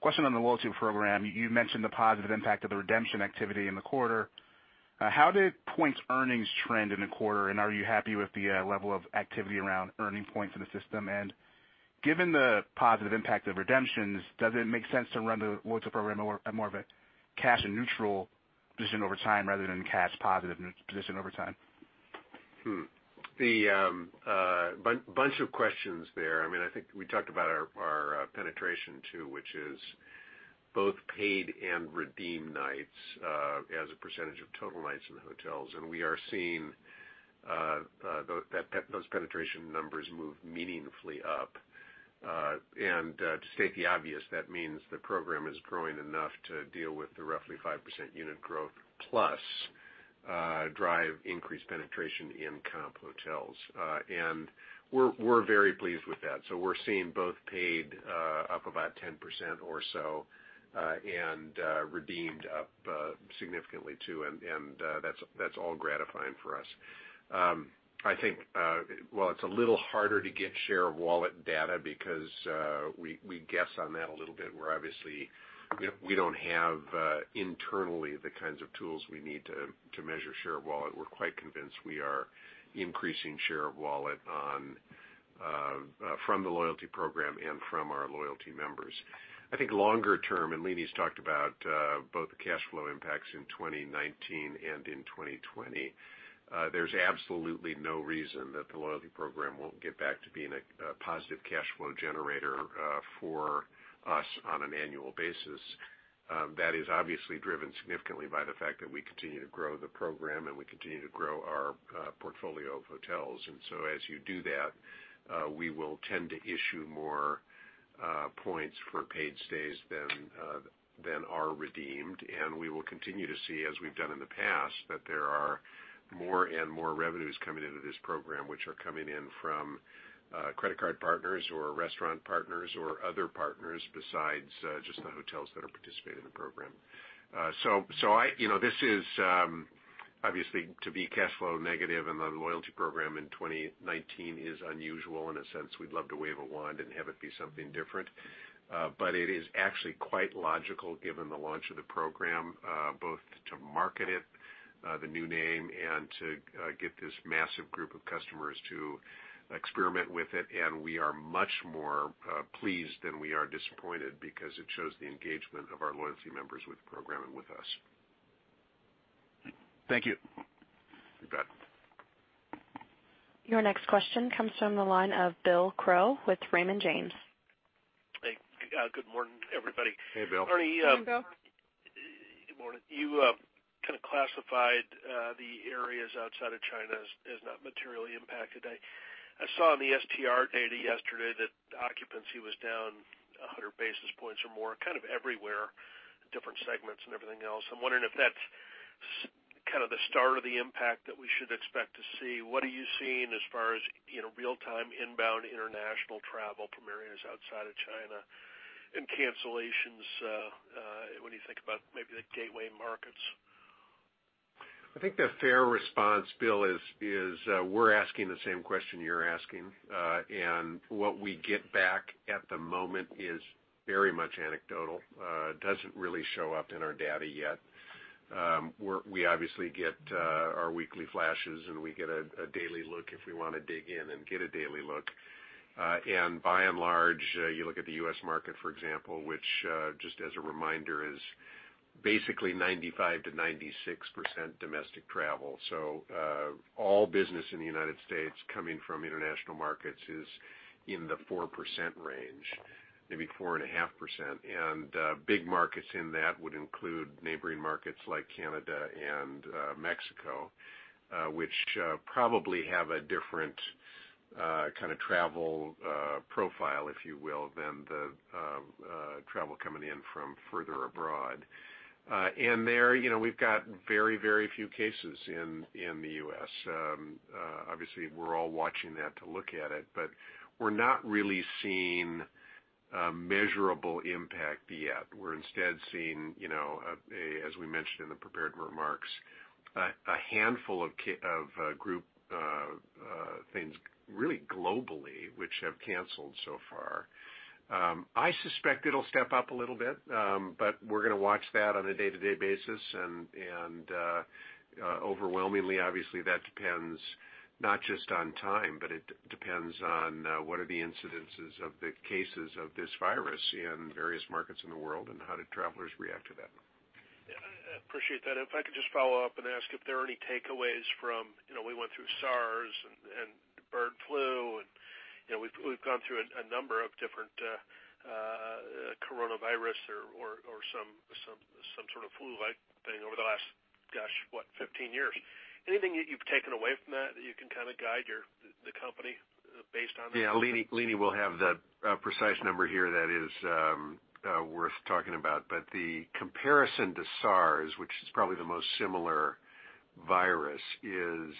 Question on the loyalty program. You mentioned the positive impact of the redemption activity in the quarter. How did points earnings trend in the quarter, and are you happy with the level of activity around earning points in the system? Given the positive impact of redemptions, does it make sense to run the loyalty program at more of a cash and neutral position over time rather than cash positive position over time? A bunch of questions there. I think we talked about our penetration too, which is both paid and redeemed nights as a % of total nights in the hotels, and we are seeing those penetration numbers move meaningfully up. To state the obvious, that means the program is growing enough to deal with the roughly 5% unit growth plus drive increased penetration in comp hotels. We're very pleased with that. We're seeing both paid up about 10% or so and redeemed up significantly too, and that's all gratifying for us. I think while it's a little harder to get share of wallet data because we guess on that a little bit where obviously we don't have internally the kinds of tools we need to measure share of wallet. We're quite convinced we are increasing share of wallet from the loyalty program and from our loyalty members. I think longer term, and Leeny's talked about both the cash flow impacts in 2019 and in 2020, there's absolutely no reason that the loyalty program won't get back to being a positive cash flow generator for us on an annual basis. That is obviously driven significantly by the fact that we continue to grow the program, and we continue to grow our portfolio of hotels. As you do that, we will tend to issue more points for paid stays than are redeemed. We will continue to see, as we've done in the past, that there are more and more revenues coming into this program, which are coming in from credit card partners or restaurant partners or other partners besides just the hotels that are participating in the program. Obviously, to be cash flow negative on the loyalty program in 2019 is unusual in a sense. We'd love to wave a wand and have it be something different. It is actually quite logical given the launch of the program, both to market it, the new name, and to get this massive group of customers to experiment with it. We are much more pleased than we are disappointed because it shows the engagement of our loyalty members with the program and with us. Thank you. You bet. Your next question comes from the line of Bill Crow with Raymond James. Hey. Good morning, everybody. Hey, Bill. Good morning, Bill. Good morning. You kind of classified the areas outside of China as not materially impacted. I saw in the STR data yesterday that occupancy was down 100 basis points or more kind of everywhere, different segments and everything else. I'm wondering if that's kind of the start of the impact that we should expect to see. What are you seeing as far as real-time inbound international travel from areas outside of China and cancellations when you think about maybe the gateway markets? I think the fair response, Bill, is we're asking the same question you're asking. What we get back at the moment is very much anecdotal. It doesn't really show up in our data yet. We obviously get our weekly flashes, and we get a daily look if we want to dig in and get a daily look. By and large, you look at the U.S. market, for example, which, just as a reminder, is basically 95%-96% domestic travel. All business in the United States coming from international markets is in the 4% range, maybe 4.5%. Big markets in that would include neighboring markets like Canada and Mexico, which probably have a different kind of travel profile, if you will, than the travel coming in from further abroad. There, we've got very few cases in the U.S. We're all watching that to look at it, but we're not really seeing a measurable impact yet. We're instead seeing, as we mentioned in the prepared remarks, a handful of group things really globally which have canceled so far. I suspect it'll step up a little bit, but we're going to watch that on a day-to-day basis. Overwhelmingly, obviously, that depends not just on time, but it depends on what are the incidences of the cases of this virus in various markets in the world, and how do travelers react to that. I appreciate that. If I could just follow up and ask if there are any takeaways from, we went through SARS and bird flu, and we've gone through a number of different coronavirus or some sort of flu-like thing over the last, gosh, what, 15 years. Anything that you've taken away from that you can kind of guide the company based on that? Yeah. Leeny will have the precise number here that is worth talking about. The comparison to SARS, which is probably the most similar virus, is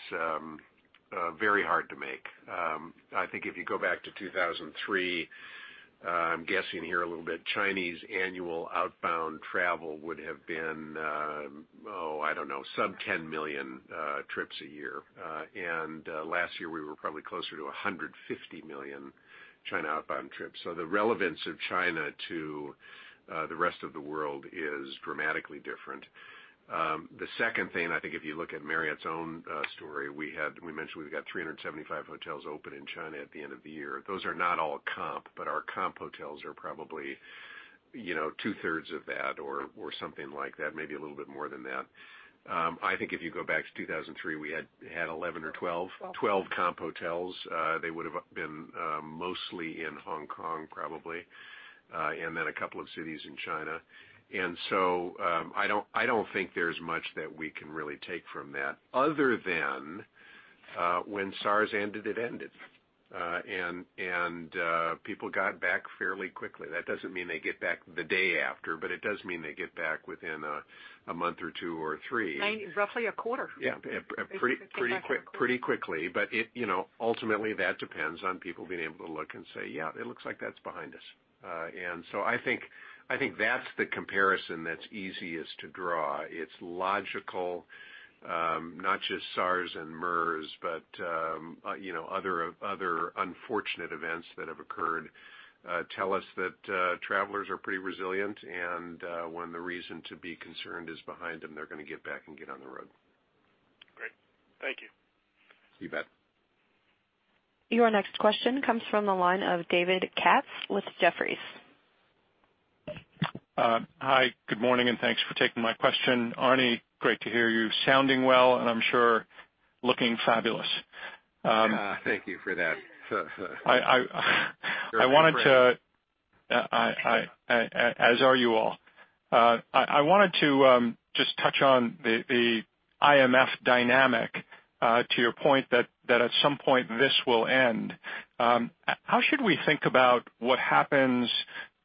very hard to make. I think if you go back to 2003, I'm guessing here a little bit, Chinese annual outbound travel would have been, oh, I don't know, sub 10 million trips a year. Last year, we were probably closer to 150 million China outbound trips. The relevance of China to the rest of the world is dramatically different. The second thing, I think if you look at Marriott's own story, we mentioned we've got 375 hotels open in China at the end of the year. Those are not all comp, but our comp hotels are probably two-thirds of that or something like that, maybe a little bit more than that. I think if you go back to 2003, we had 11 or 12 comp hotels. They would've been mostly in Hong Kong, probably, then a couple of cities in China. I don't think there's much that we can really take from that other than when SARS ended, it ended. People got back fairly quickly. That doesn't mean they get back the day after, but it does mean they get back within a month or two or three. Roughly a quarter. Yeah. Pretty quickly, but ultimately that depends on people being able to look and say, "Yeah, it looks like that's behind us." I think that's the comparison that's easiest to draw. It's logical. Not just SARS and MERS, but other unfortunate events that have occurred tell us that travelers are pretty resilient, and when the reason to be concerned is behind them, they're going to get back and get on the road. Great. Thank you. You bet. Your next question comes from the line of David Katz with Jefferies. Hi, good morning, and thanks for taking my question. Arne, great to hear you sounding well, and I'm sure looking fabulous. Thank you for that. I wanted to- You're a good friend. As are you all. I wanted to just touch on the IMF dynamic to your point that at some point this will end. How should we think about what happens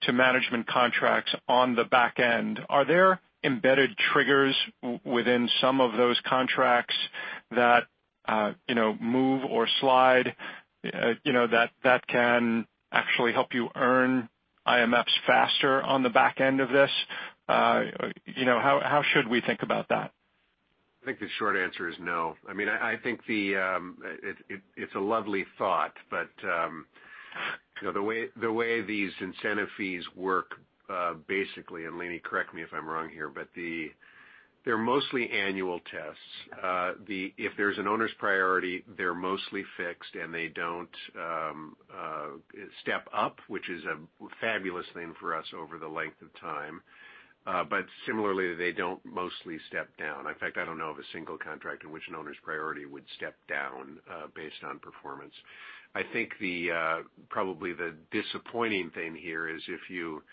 to management contracts on the back end? Are there embedded triggers within some of those contracts that move or slide, that can actually help you earn IMFs faster on the back end of this? How should we think about that? I think the short answer is no. I think it's a lovely thought, but the way these incentive fees work, basically, and Leeny, correct me if I'm wrong here, but they're mostly annual tests. If there's an owner's priority, they're mostly fixed, and they don't step up, which is a fabulous thing for us over the length of time. Similarly, they don't mostly step down. In fact, I don't know of a single contract in which an owner's priority would step down based on performance. I think probably the disappointing thing here is if you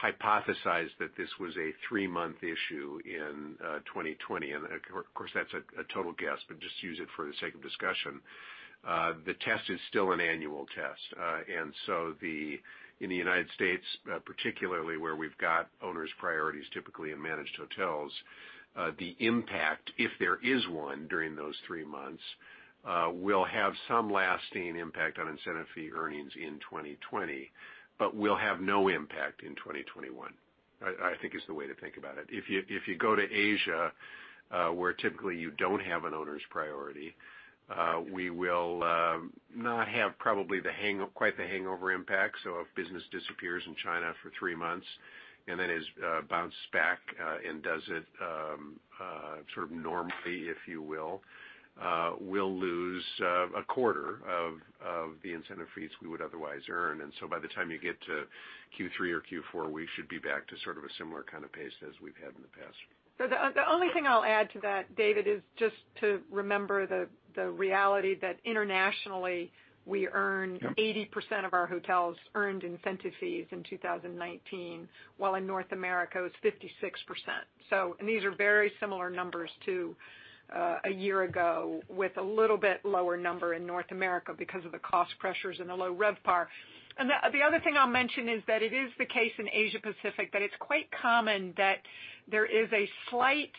hypothesized that this was a three-month issue in 2020, and of course, that's a total guess, but just use it for the sake of discussion. The test is still an annual test. In the U.S. particularly, where we've got owners' priorities typically in managed hotels, the impact, if there is one during those three months, will have some lasting impact on incentive fee earnings in 2020, but will have no impact in 2021, I think is the way to think about it. If you go to Asia, where typically you don't have an owner's priority, we will not have probably quite the hangover impact. If business disappears in China for three months and then it bounces back and does it sort of normally, if you will, we'll lose a quarter of the incentive fees we would otherwise earn. By the time you get to Q3 or Q4, we should be back to sort of a similar kind of pace as we've had in the past. The only thing I'll add to that, David, is just to remember the reality that internationally we earn 80% of our hotels earned incentive fees in 2019, while in North America it was 56%. These are very similar numbers to a year ago with a little bit lower number in North America because of the cost pressures and the low RevPAR. The other thing I'll mention is that it is the case in Asia Pacific that it's quite common that there is a slight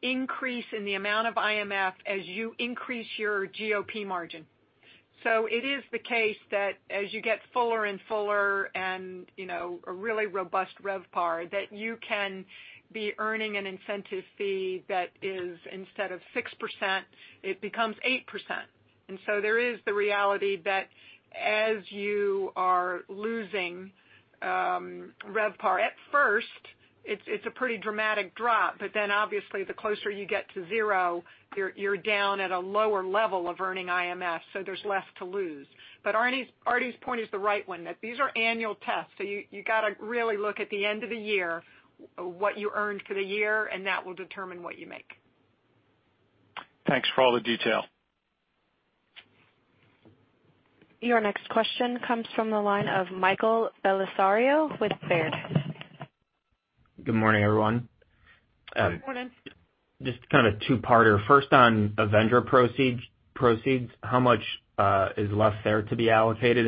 increase in the amount of IMF as you increase your GOP margin. It is the case that as you get fuller and fuller and a really robust RevPAR, that you can be earning an incentive fee that is instead of 6%, it becomes 8%. There is the reality that as you are losing RevPAR, at first, it's a pretty dramatic drop. Obviously the closer you get to zero, you're down at a lower level of earning IMF, so there's less to lose. Arne's point is the right one, that these are annual tests. You got to really look at the end of the year, what you earned for the year, and that will determine what you make. Thanks for all the detail. Your next question comes from the line of Michael Bellisario with Baird. Good morning, everyone. Good morning. Just kind of a two-parter. First, on Avendra proceeds, how much is left there to be allocated?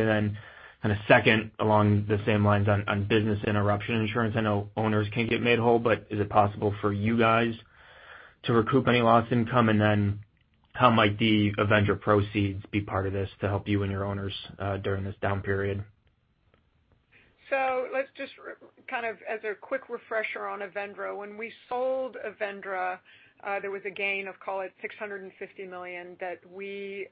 A second along the same lines on business interruption insurance. I know owners can get made whole, is it possible for you guys to recoup any lost income? How might the Avendra proceeds be part of this to help you and your owners during this down period? Let's just kind of as a quick refresher on Avendra. When we sold Avendra, there was a gain of, call it $650 million that we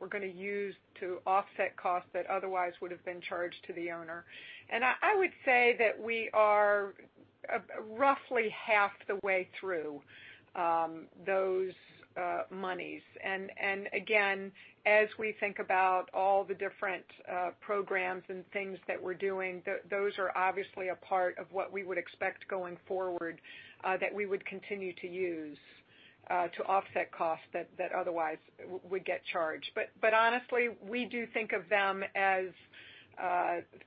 were going to use to offset costs that otherwise would have been charged to the owner. I would say that we are roughly half the way through those monies. Again, as we think about all the different programs and things that we're doing, those are obviously a part of what we would expect going forward that we would continue to use to offset costs that otherwise would get charged. Honestly, we do think of them as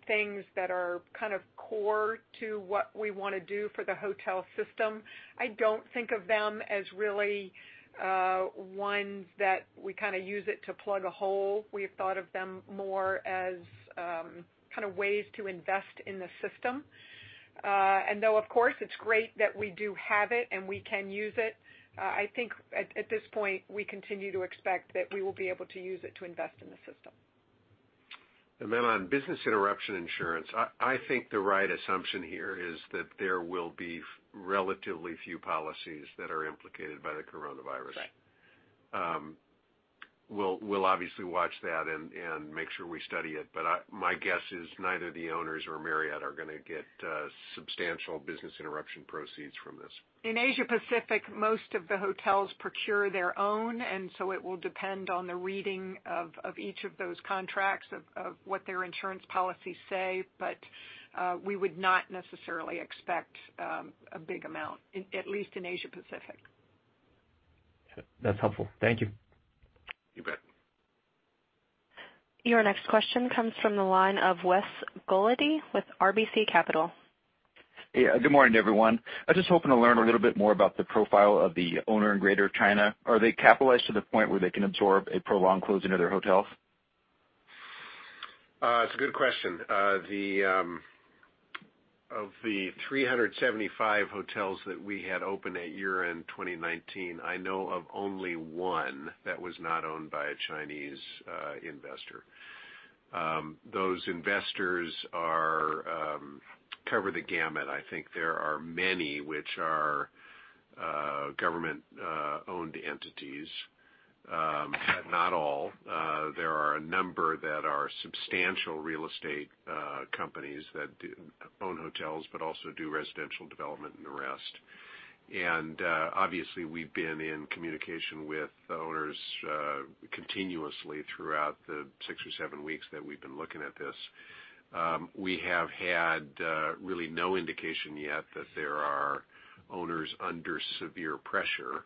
things that are kind of core to what we want to do for the hotel system. I don't think of them as really ones that we kind of use it to plug a hole. We've thought of them more as kind of ways to invest in the system. Though, of course, it's great that we do have it and we can use it, I think at this point, we continue to expect that we will be able to use it to invest in the system. On business interruption insurance, I think the right assumption here is that there will be relatively few policies that are implicated by the coronavirus. Right. We'll obviously watch that and make sure we study it. My guess is neither the owners or Marriott are going to get substantial business interruption proceeds from this. In Asia Pacific, most of the hotels procure their own, and so it will depend on the reading of each of those contracts, of what their insurance policies say. We would not necessarily expect a big amount, at least in Asia Pacific. That's helpful. Thank you. You bet. Your next question comes from the line of Wes Golladay with RBC Capital. Yeah. Good morning, everyone. I was just hoping to learn a little bit more about the profile of the owner in Greater China. Are they capitalized to the point where they can absorb a prolonged closing of their hotels? It's a good question. Of the 375 hotels that we had open at year-end 2019, I know of only one that was not owned by a Chinese investor. Those investors cover the gamut. I think there are many which are government-owned entities, but not all. There are a number that are substantial real estate companies that own hotels, but also do residential development and the rest. Obviously, we've been in communication with the owners continuously throughout the six or seven weeks that we've been looking at this. We have had really no indication yet that there are owners under severe pressure.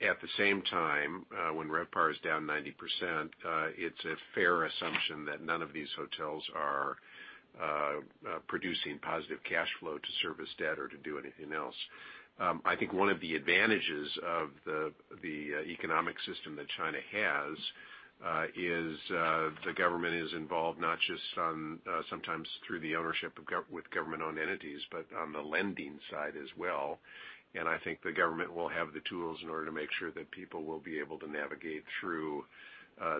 At the same time, when RevPAR is down 90%, it's a fair assumption that none of these hotels are producing positive cash flow to service debt or to do anything else. I think one of the advantages of the economic system that China has is the government is involved not just sometimes through the ownership with government-owned entities, but on the lending side as well. I think the government will have the tools in order to make sure that people will be able to navigate through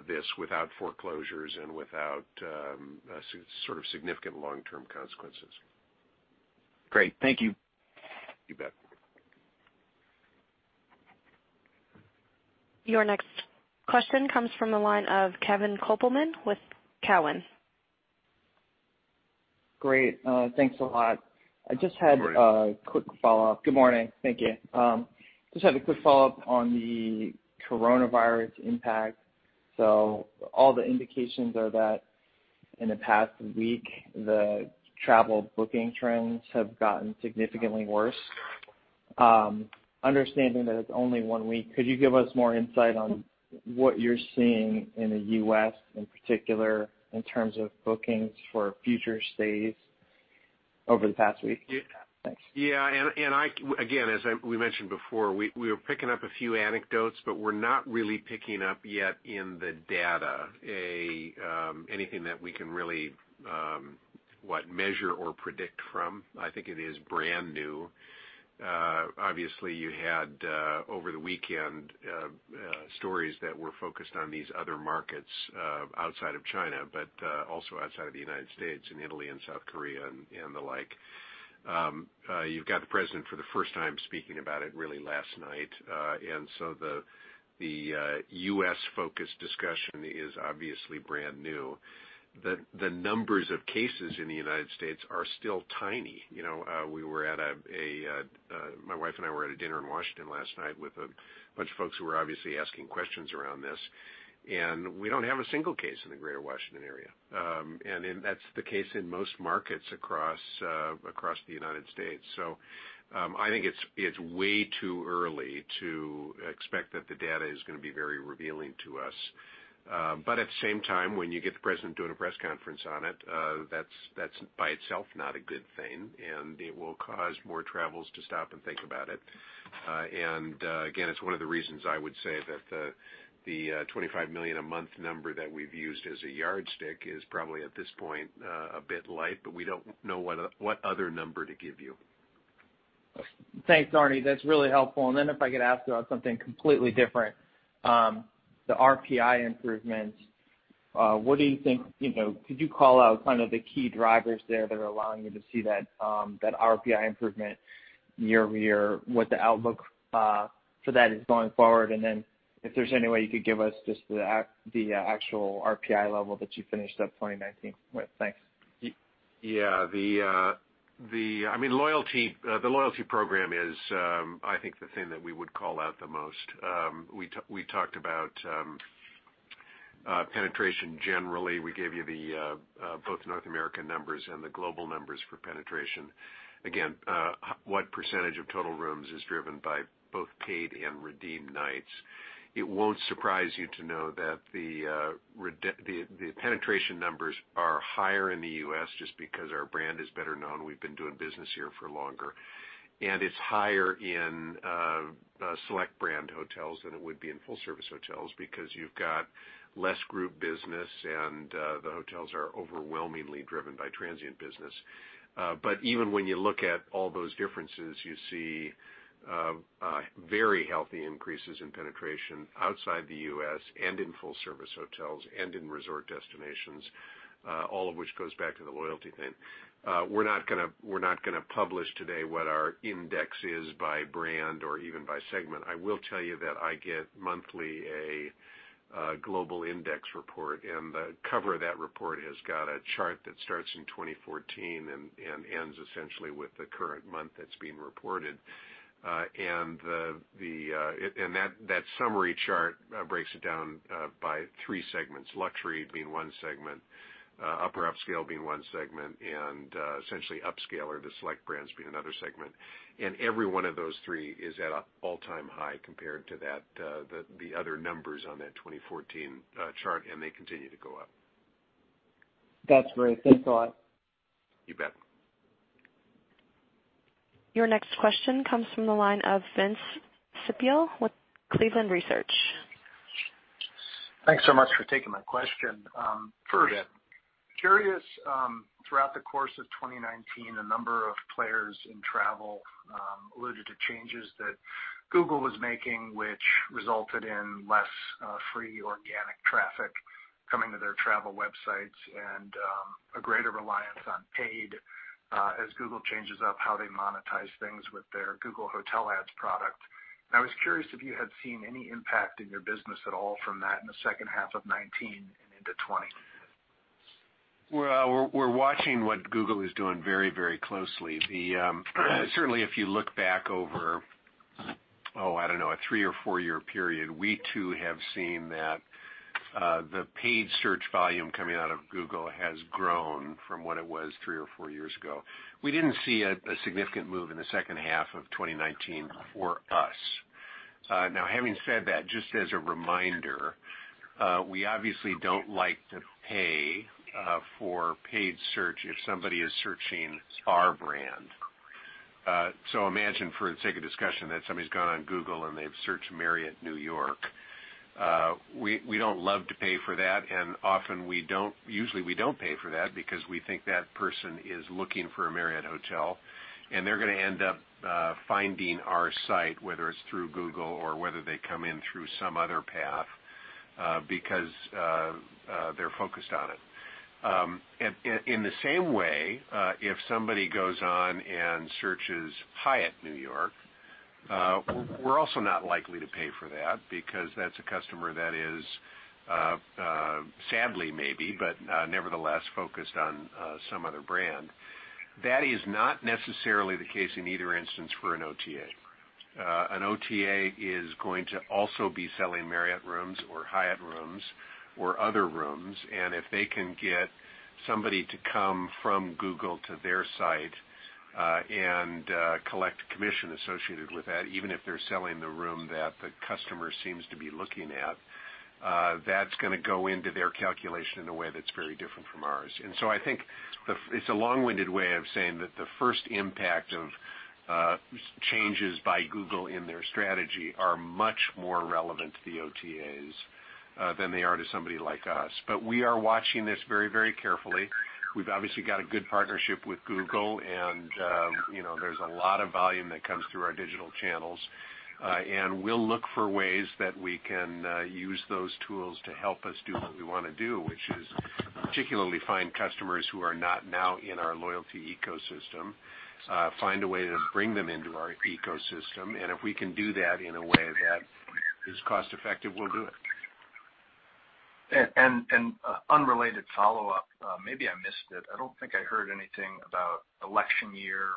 this without foreclosures and without significant long-term consequences. Great. Thank you. You bet. Your next question comes from the line of Kevin Kopelman with Cowen. Great. Thanks a lot. Morning. I just had a quick follow-up. Good morning. Thank you. Just had a quick follow-up on the coronavirus impact. All the indications are that in the past week, the travel booking trends have gotten significantly worse. Understanding that it's only one week, could you give us more insight on what you're seeing in the U.S., in particular, in terms of bookings for future stays over the past week? Thanks. Yeah. Again, as we mentioned before, we are picking up a few anecdotes, but we're not really picking up yet in the data anything that we can really measure or predict from. I think it is brand new. Obviously, you had, over the weekend, stories that were focused on these other markets outside of China, but also outside of the United States in Italy and South Korea and the like. You've got the President for the first time speaking about it really last night. The U.S.-focused discussion is obviously brand new. The numbers of cases in the United States are still tiny. My wife and I were at a dinner in Washington last night with a bunch of folks who were obviously asking questions around this, and we don't have a single case in the greater Washington area. That's the case in most markets across the United States. I think it's way too early to expect that the data is going to be very revealing to us. At the same time, when you get the President doing a press conference on it, that's by itself not a good thing, and it will cause more travelers to stop and think about it. Again, it's one of the reasons I would say that the 25 million a month number that we've used as a yardstick is probably, at this point, a bit light, but we don't know what other number to give you. Thanks, Arnie. That's really helpful. If I could ask about something completely different, the RPI improvements. Could you call out kind of the key drivers there that are allowing you to see that RPI improvement year-over-year? What the outlook for that is going forward, and then if there's any way you could give us just the actual RPI level that you finished up 2019 with. Thanks. Yeah. The loyalty program is, I think, the thing that we would call out the most. We talked about penetration generally. We gave you both North American numbers and the global numbers for penetration. Again, what % of total rooms is driven by both paid and redeemed nights? It won't surprise you to know that the penetration numbers are higher in the U.S. just because our brand is better known. We've been doing business here for longer. It's higher in Select brand hotels than it would be in full-service hotels because you've got less group business, and the hotels are overwhelmingly driven by transient business. Even when you look at all those differences, you see very healthy increases in penetration outside the U.S. and in full-service hotels and in resort destinations, all of which goes back to the loyalty thing. We're not going to publish today what our index is by brand or even by segment. I will tell you that I get monthly a global index report, and the cover of that report has got a chart that starts in 2014 and ends essentially with the current month that's being reported. That summary chart breaks it down by three segments, luxury being one segment, upper upscale being one segment, and essentially upscale or the select brands being another segment. Every one of those three is at an all-time high compared to the other numbers on that 2014 chart, and they continue to go up. That's great. Thanks a lot. You bet. Your next question comes from the line of Vince Ciepiel with Cleveland Research. Thanks so much for taking my question. Sure. Curious, throughout the course of 2019, a number of players in travel alluded to changes that Google was making, which resulted in less free organic traffic coming to their travel websites and a greater reliance on paid as Google changes up how they monetize things with their Google Hotel Ads product. I was curious if you had seen any impact in your business at all from that in the second half of 2019 and into 2020. Well, we're watching what Google is doing very closely. Certainly, if you look back over, oh, I don't know, a three or four-year period, we too have seen that the paid search volume coming out of Google has grown from what it was three or four years ago. We didn't see a significant move in the second half of 2019 for us. Having said that, just as a reminder, we obviously don't like to pay for paid search if somebody is searching our brand. Imagine for the sake of discussion that somebody's gone on Google and they've searched Marriott New York. We don't love to pay for that, and usually we don't pay for that because we think that person is looking for a Marriott hotel, and they're going to end up finding our site, whether it's through Google or whether they come in through some other path because they're focused on it. In the same way, if somebody goes on and searches Hyatt New York, we're also not likely to pay for that because that's a customer that is sadly maybe, but nevertheless focused on some other brand. That is not necessarily the case in either instance for an OTA. An OTA is going to also be selling Marriott rooms or Hyatt rooms or other rooms, and if they can get somebody to come from Google to their site and collect commission associated with that, even if they're selling the room that the customer seems to be looking at, that's going to go into their calculation in a way that's very different from ours. I think it's a long-winded way of saying that the first impact of changes by Google in their strategy are much more relevant to the OTAs than they are to somebody like us. We are watching this very carefully. We've obviously got a good partnership with Google, and there's a lot of volume that comes through our digital channels. We'll look for ways that we can use those tools to help us do what we want to do, which is particularly find customers who are not now in our loyalty ecosystem, find a way to bring them into our ecosystem, and if we can do that in a way that is cost-effective, we'll do it. An unrelated follow-up. Maybe I missed it. I don't think I heard anything about election year,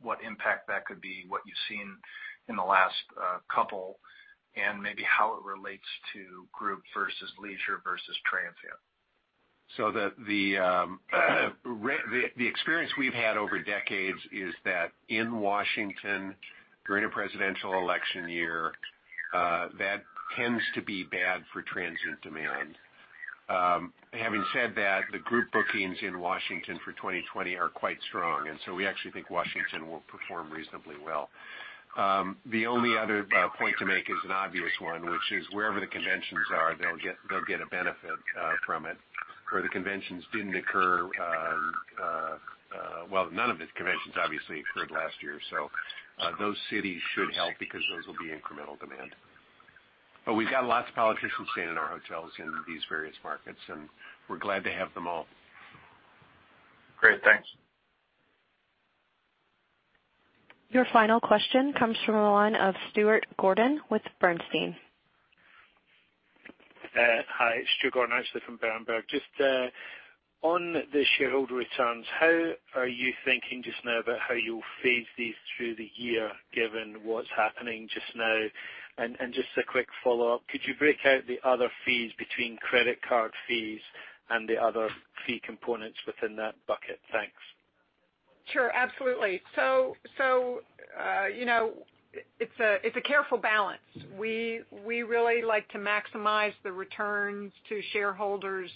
what impact that could be, what you've seen in the last couple, and maybe how it relates to group versus leisure versus transient. The experience we've had over decades is that in Washington, during a presidential election year, that tends to be bad for transient demand. Having said that, the group bookings in Washington for 2020 are quite strong, and so we actually think Washington will perform reasonably well. The only other point to make is an obvious one, which is wherever the conventions are, they'll get a benefit from it. Well, none of the conventions obviously occurred last year, so those cities should help because those will be incremental demand. We've got lots of politicians staying in our hotels in these various markets, and we're glad to have them all. Great. Thanks. Your final question comes from the line of Richard Clarke with Bernstein. Hi, Richard Clarke actually from Bernstein. Just on the shareholder returns, how are you thinking just now about how you'll phase these through the year given what's happening just now? Just a quick follow-up, could you break out the other fees between credit card fees and the other fee components within that bucket? Thanks. Sure, absolutely. It's a careful balance. We really like to maximize the returns to shareholders.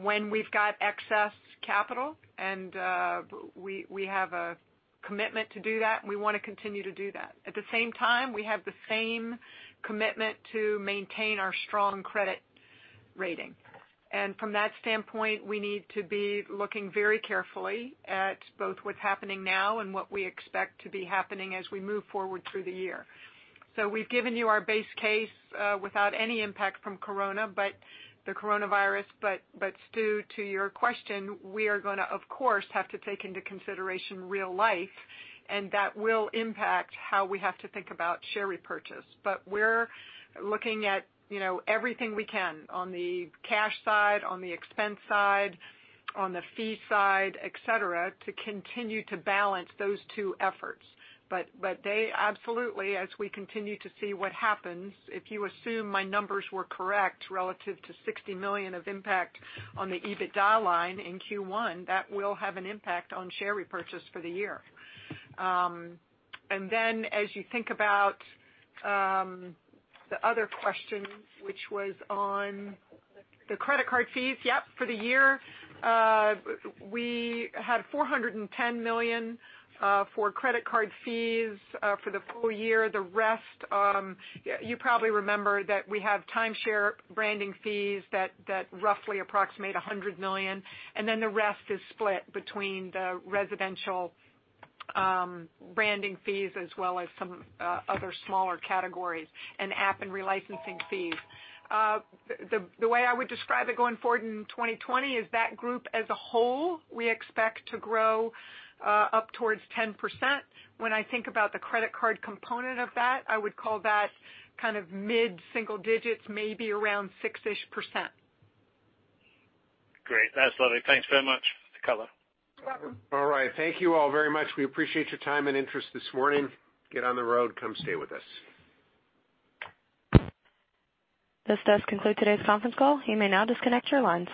When we've got excess capital and we have a commitment to do that, and we want to continue to do that. At the same time, we have the same commitment to maintain our strong credit rating. From that standpoint, we need to be looking very carefully at both what's happening now and what we expect to be happening as we move forward through the year. We've given you our base case without any impact from the COVID-19. Stuart, to your question, we are going to, of course, have to take into consideration real life, and that will impact how we have to think about share repurchase. We're looking at everything we can on the cash side, on the expense side, on the fee side, et cetera, to continue to balance those two efforts. They absolutely, as we continue to see what happens, if you assume my numbers were correct relative to $60 million of impact on the EBITDA line in Q1, that will have an impact on share repurchase for the year. As you think about the other question, which was on the credit card fees. Yep, for the year, we had $410 million for credit card fees for the full year. The rest, you probably remember that we have timeshare branding fees that roughly approximate $100 million, and then the rest is split between the residential branding fees as well as some other smaller categories and app and relicensing fees. The way I would describe it going forward in 2020 is that group as a whole, we expect to grow up towards 10%. When I think about the credit card component of that, I would call that kind of mid-single digits, maybe around 6-ish%. Great. That's lovely. Thanks very much, Nicola. You're welcome. All right. Thank you all very much. We appreciate your time and interest this morning. Get on the road. Come stay with us. This does conclude today's conference call. You may now disconnect your lines.